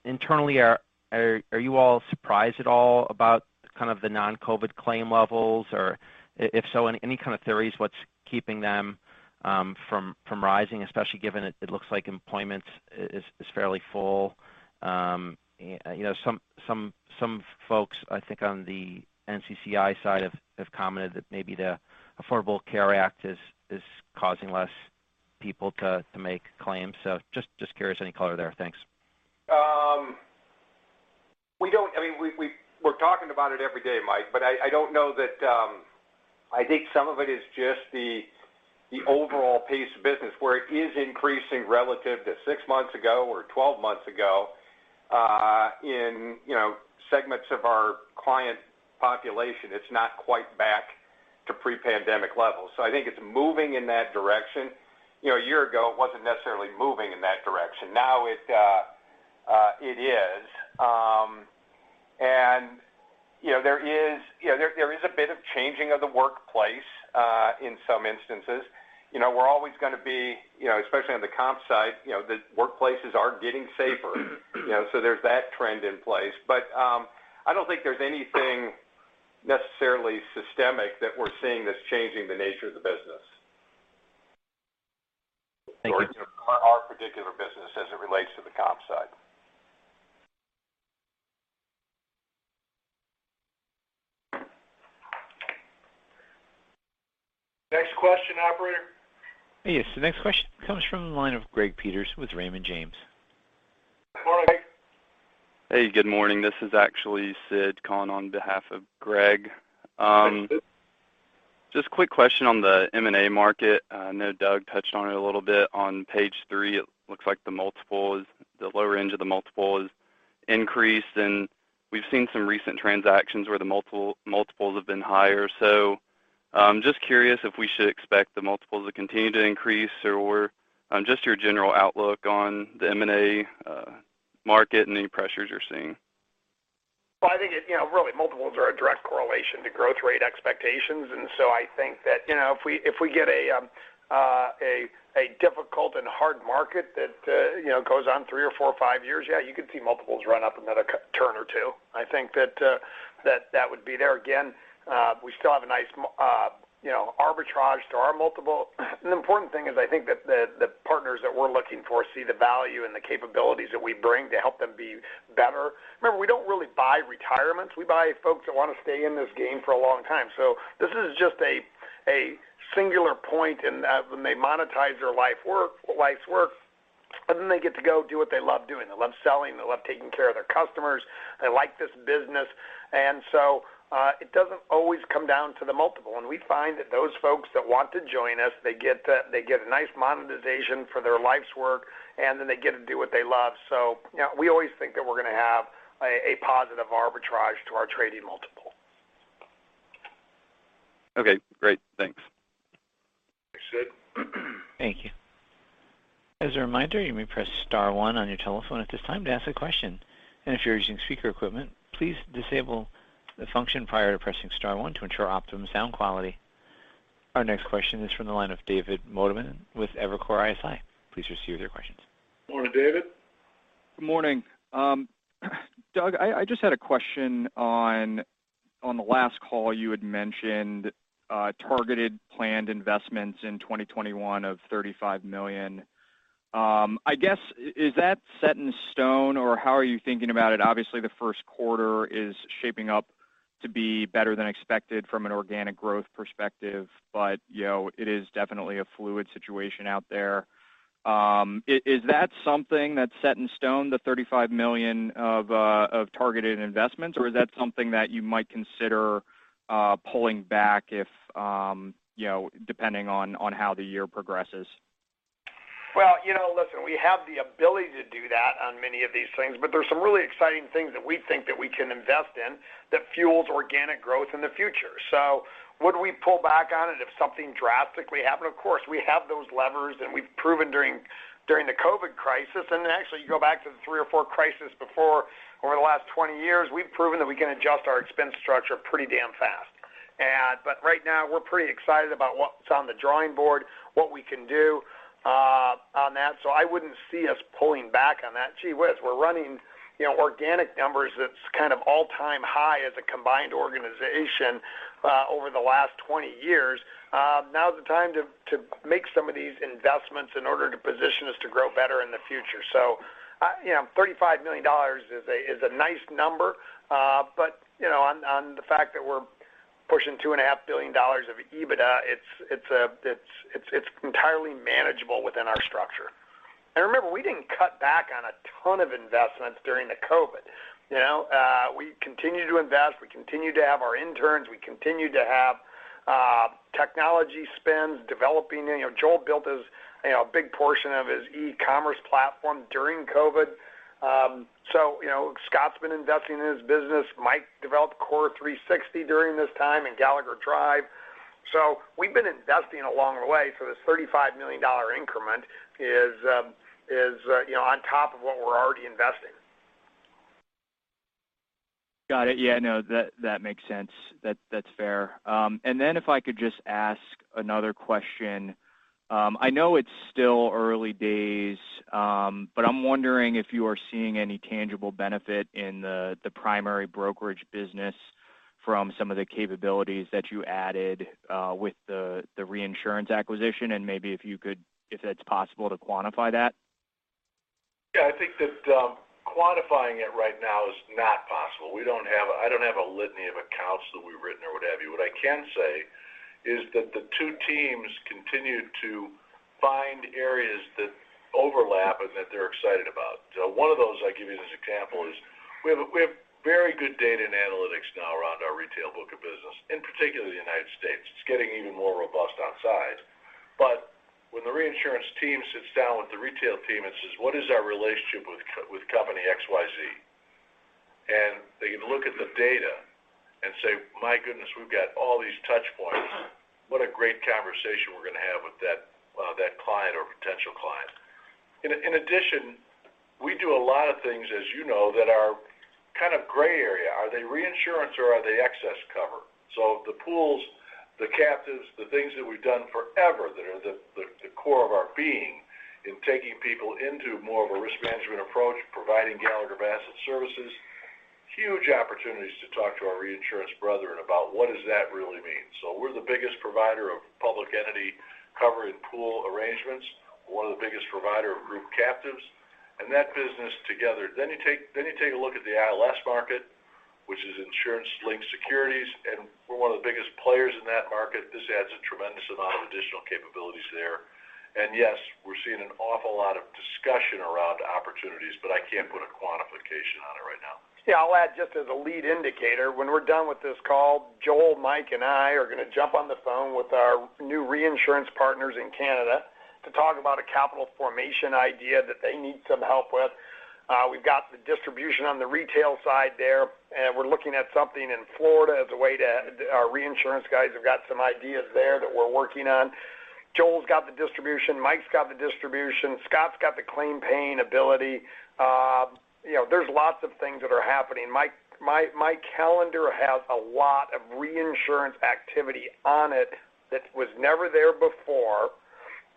internally, are you all surprised at all about kind of the non-COVID claim levels? Or if so, any kind of theories what's keeping them from rising, especially given it looks like employment is fairly full. You know, some folks, I think on the NCCI side have commented that maybe the Affordable Care Act is causing less people to make claims. So just curious, any color there? Thanks. I mean, we're talking about it every day, Mike, but I don't know that. I think some of it is just the overall pace of business where it is increasing relative to six months ago or12 months ago in, you know, segments of our client population. It's not quite back to pre-pandemic levels. I think it's moving in that direction. You know, a year ago, it wasn't necessarily moving in that direction. Now it is. You know, there is a bit of changing of the workplace in some instances. You know, we're always gonna be, you know, especially on the comp side, you know, the workplaces are getting safer. You know, so there's that trend in place. I don't think there's anything necessarily systemic that we're seeing that's changing the nature of the business. Thank you. Our particular business as it relates to the comp side. Next question, operator. Yes, the next question comes from the line of Greg Peters with Raymond James. Good morning, Greg. Hey, good morning. This is actually Sid calling on behalf of Greg. Thanks, Sid. Just a quick question on the M&A market. I know Doug touched on it a little bit. On page three, it looks like the lower end of the multiple is increased, and we've seen some recent transactions where the multiples have been higher. I'm just curious if we should expect the multiples to continue to increase or just your general outlook on the M&A market and any pressures you're seeing. Well, I think it's, you know, really, multiples are a direct correlation to growth rate expectations. I think that, you know, if we get a difficult and hard market that, you know, goes on three or four or five years, yeah, you could see multiples run up another turn or two. I think that would be there. Again, we still have a nice arbitrage to our multiple. The important thing is I think that the partners that we're looking for see the value and the capabilities that we bring to help them be better. Remember, we don't really buy retirements. We buy folks that want to stay in this game for a long time. This is just a singular point in that when they monetize their life's work, and then they get to go do what they love doing. They love selling, they love taking care of their customers, they like this business. It doesn't always come down to the multiple. We find that those folks that want to join us, they get a nice monetization for their life's work, and then they get to do what they love. You know, we always think that we're gonna have a positive arbitrage to our trading multiple. Okay, great. Thanks. Thanks, Sid. Thank you. As a reminder, you may press star one on your telephone at this time to ask a question. If you're using speaker equipment, please disable the function prior to pressing star one to ensure optimum sound quality. Our next question is from the line of David Motemaden with Evercore ISI. Please proceed with your questions. Morning, David. Good morning. Doug, I just had a question. On the last call, you had mentioned targeted planned investments in 2021 of $35 million. I guess, is that set in stone, or how are you thinking about it? Obviously, the first quarter is shaping up to be better than expected from an organic growth perspective, but you know, it is definitely a fluid situation out there. Is that something that's set in stone, the $35 million of targeted investments? Or is that something that you might consider pulling back if you know, depending on how the year progresses? Well, you know, listen, we have the ability to do that on many of these things, but there's some really exciting things that we think that we can invest in that fuels organic growth in the future. Would we pull back on it if something drastically happened? Of course, we have those levers, and we've proven during the COVID crisis, and actually you go back to the three or four crises before over the last 20 years, we've proven that we can adjust our expense structure pretty damn fast. But right now, we're pretty excited about what's on the drawing board, what we can do on that. I wouldn't see us pulling back on that. Gee whiz, we're running, you know, organic numbers that's kind of all-time high as a combined organization over the last 20 years. Now is the time to make some of these investments in order to position us to grow better in the future. You know, $35 million is a nice number, but you know, on the fact that we're pushing $2.5 billion of EBITDA, it's entirely manageable within our structure. Remember, we didn't cut back on a ton of investments during COVID. You know, we continued to invest, we continued to have our interns, we continued to have technology spends developing. You know, Joel built his you know a big portion of his e-commerce platform during COVID. You know, Scott's been investing in his business. Mike developed CORE360 during this time and Gallagher Drive. We've been investing along the way. This $35 million increment is, you know, on top of what we're already investing. Got it. Yeah, no, that makes sense. That's fair. If I could just ask another question. I know it's still early days, but I'm wondering if you are seeing any tangible benefit in the primary brokerage business from some of the capabilities that you added with the reinsurance acquisition, and maybe if that's possible to quantify that. I think that quantifying it right now is not possible. We don't have. I don't have a litany of accounts that we've written or what have you. What I can say is that the two teams continue to find areas that overlap and that they're excited about. One of those, I'll give you this example, is we have very good data and analytics now around our retail book of business, in particular the United States. It's getting even more robust in size. When the reinsurance team sits down with the retail team and says, "What is our relationship with company XYZ?" They look at the data and say, "My goodness, we've got all these touch points. What a great conversation we're going to have with that client or potential client." In addition, we do a lot of things, as you know, that are kind of gray area. Are they reinsurance or are they excess cover? The pools, the captives, the things that we've done forever that are the core of our being in taking people into more of a risk management approach, providing Gallagher Bassett services, huge opportunities to talk to our reinsurance brethren about what does that really mean. We're the biggest provider of public entity cover and pool arrangements, one of the biggest provider of group captives. That business together. You take a look at the ILS market, which is insurance-linked securities, and we're one of the biggest players in that market. This adds a tremendous amount of additional capabilities there. Yes, we're seeing an awful lot of discussion around opportunities, but I can't put a quantification on it right now. Yeah, I'll add just as a lead indicator, when we're done with this call, Joel, Mike, and I are gonna jump on the phone with our new reinsurance partners in Canada to talk about a capital formation idea that they need some help with. We've got the distribution on the retail side there, and we're looking at something in Florida as a way to our reinsurance guys have got some ideas there that we're working on. Joel's got the distribution. Mike's got the distribution. Scott's got the claim paying ability. You know, there's lots of things that are happening. My calendar has a lot of reinsurance activity on it that was never there before,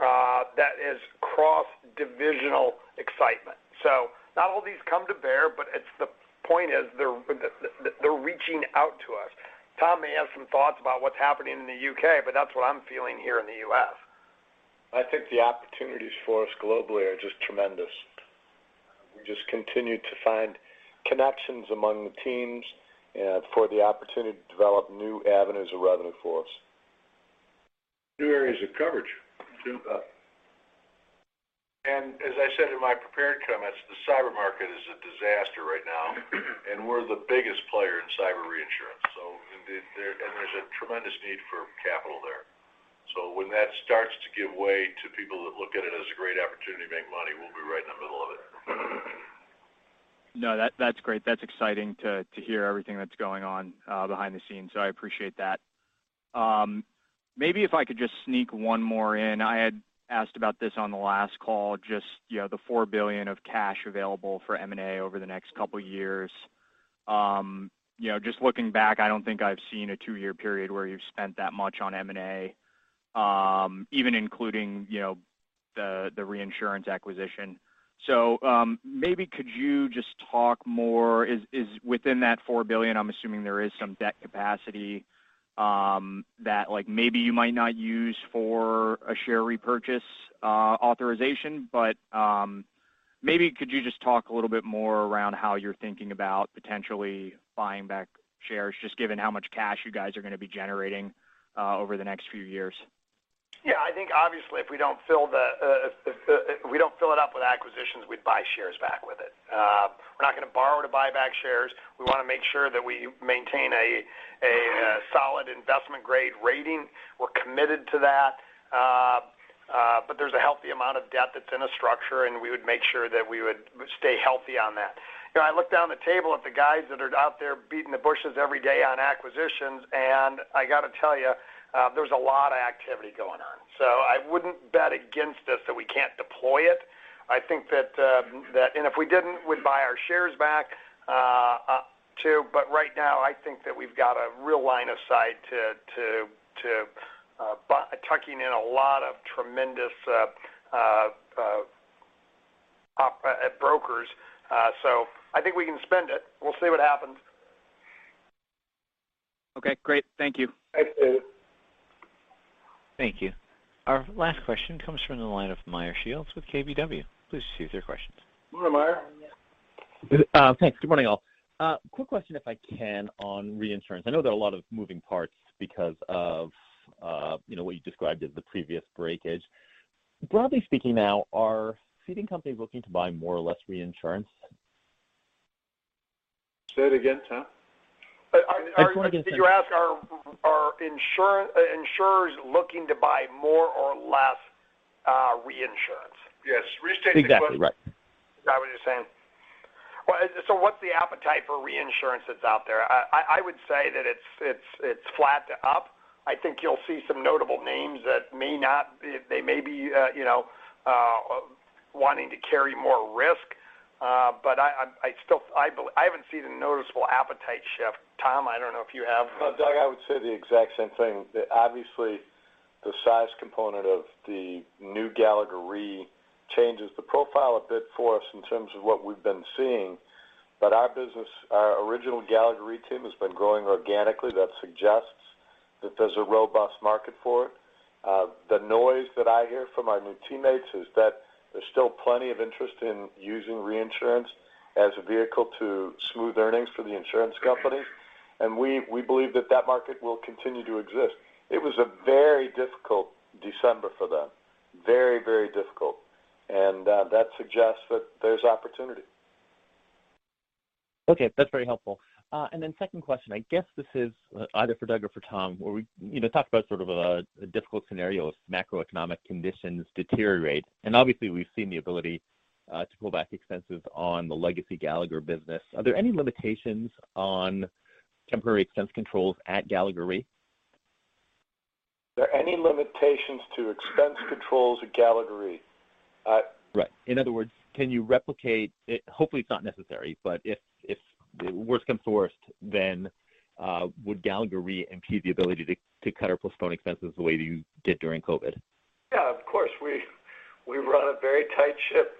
that is cross-divisional excitement. So not all these come to bear, but the point is they're reaching out to us. Tom may have some thoughts about what's happening in the U.K., but that's what I'm feeling here in the U.S. I think the opportunities for us globally are just tremendous. We just continue to find connections among the teams, for the opportunity to develop new avenues of revenue for us. New areas of coverage too. As I said in my prepared comments, the cyber market is a disaster right now, and we're the biggest player in cyber reinsurance. There's a tremendous need for capital there. When that starts to give way to people that look at it as a great opportunity to make money, we'll be right in the middle of it. No, that's great. That's exciting to hear everything that's going on behind the scenes, so I appreciate that. Maybe if I could just sneak one more in. I had asked about this on the last call, just you know, the $4 billion of cash available for M&A over the next couple years. You know, just looking back, I don't think I've seen a two-year period where you've spent that much on M&A, even including you know, the reinsurance acquisition. Maybe could you just talk more. Is within that $4 billion, I'm assuming there is some debt capacity that like, maybe you might not use for a share repurchase authorization. Maybe could you just talk a little bit more around how you're thinking about potentially buying back shares, just given how much cash you guys are gonna be generating, over the next few years? Yeah. I think obviously if we don't fill it up with acquisitions, we'd buy shares back with it. We're not gonna borrow to buy back shares. We want to make sure that we maintain a solid investment grade rating. We're committed to that. There's a healthy amount of debt that's in a structure, and we would make sure that we would stay healthy on that. You know, I look down the table at the guys that are out there beating the bushes every day on acquisitions, and I got to tell you, there's a lot of activity going on. I wouldn't bet against us that we can't deploy it. I think that if we didn't, we'd buy our shares back, too. Right now, I think that we've got a real line of sight to tucking in a lot of tremendous brokers. I think we can spend it. We'll see what happens. Okay, great. Thank you. Thanks, David. Thank you. Our last question comes from the line of Meyer Shields with KBW. Please proceed with your questions. Good morning, Meyer. Thanks. Good morning, all. Quick question if I can on reinsurance. I know there are a lot of moving parts because of, you know, what you described as the previous breakage. Broadly speaking now, are ceding companies looking to buy more or less reinsurance? Say it again, Tom. I just wanted to- Did you ask are insurers looking to buy more or less reinsurance? Yes. Restate the question.... exactly right. Is that what you're saying? Well, what's the appetite for reinsurance that's out there? I would say that it's flat to up. I think you'll see some notable names that they may be wanting to carry more risk. I still believe I haven't seen a noticeable appetite shift. Tom, I don't know if you have. Doug, I would say the exact same thing. Obviously, the size component of the new Gallagher Re changes the profile a bit for us in terms of what we've been seeing. Our business, our original Gallagher Re team has been growing organically. That suggests that there's a robust market for it. The noise that I hear from our new teammates is that there's still plenty of interest in using reinsurance as a vehicle to smooth earnings for the insurance company. We believe that that market will continue to exist. It was a very difficult December for them. Very difficult. That suggests that there's opportunity. Okay, that's very helpful. Then second question, I guess this is either for Doug or for Tom, where we, you know, talk about sort of a difficult scenario if macroeconomic conditions deteriorate. Obviously, we've seen the ability to pull back expenses on the legacy Gallagher business. Are there any limitations on temporary expense controls at Gallagher Re? Are there any limitations to expense controls at Gallagher Re? Right. In other words, can you replicate? Hopefully, it's not necessary, but if the worst comes to worst, then would Gallagher Re impede the ability to cut or postpone expenses the way you did during COVID? Yeah, of course. We run a very tight ship.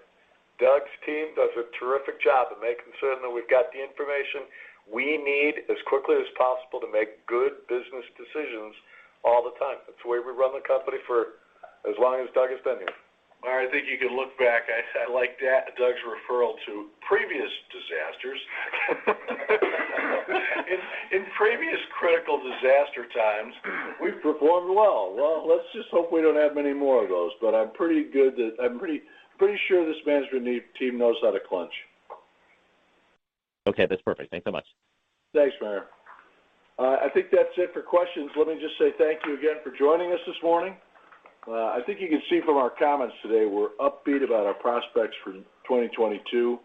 Doug's team does a terrific job of making certain that we've got the information we need as quickly as possible to make good business decisions all the time. That's the way we've run the company for as long as Doug has been here. I think you can look back. I like that, Doug's referral to previous disasters. In previous critical disaster times, we've performed well. Well, let's just hope we don't have many more of those. I'm pretty sure this management team knows how to clinch. Okay, that's perfect. Thanks so much. Thanks, Meyer. I think that's it for questions. Let me just say thank you again for joining us this morning. I think you can see from our comments today we're upbeat about our prospects for 2022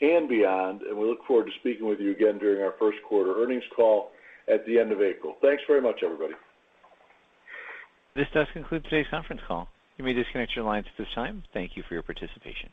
and beyond, and we look forward to speaking with you again during our first quarter earnings call at the end of April. Thanks very much, everybody. This does conclude today's conference call. You may disconnect your lines at this time. Thank you for your participation.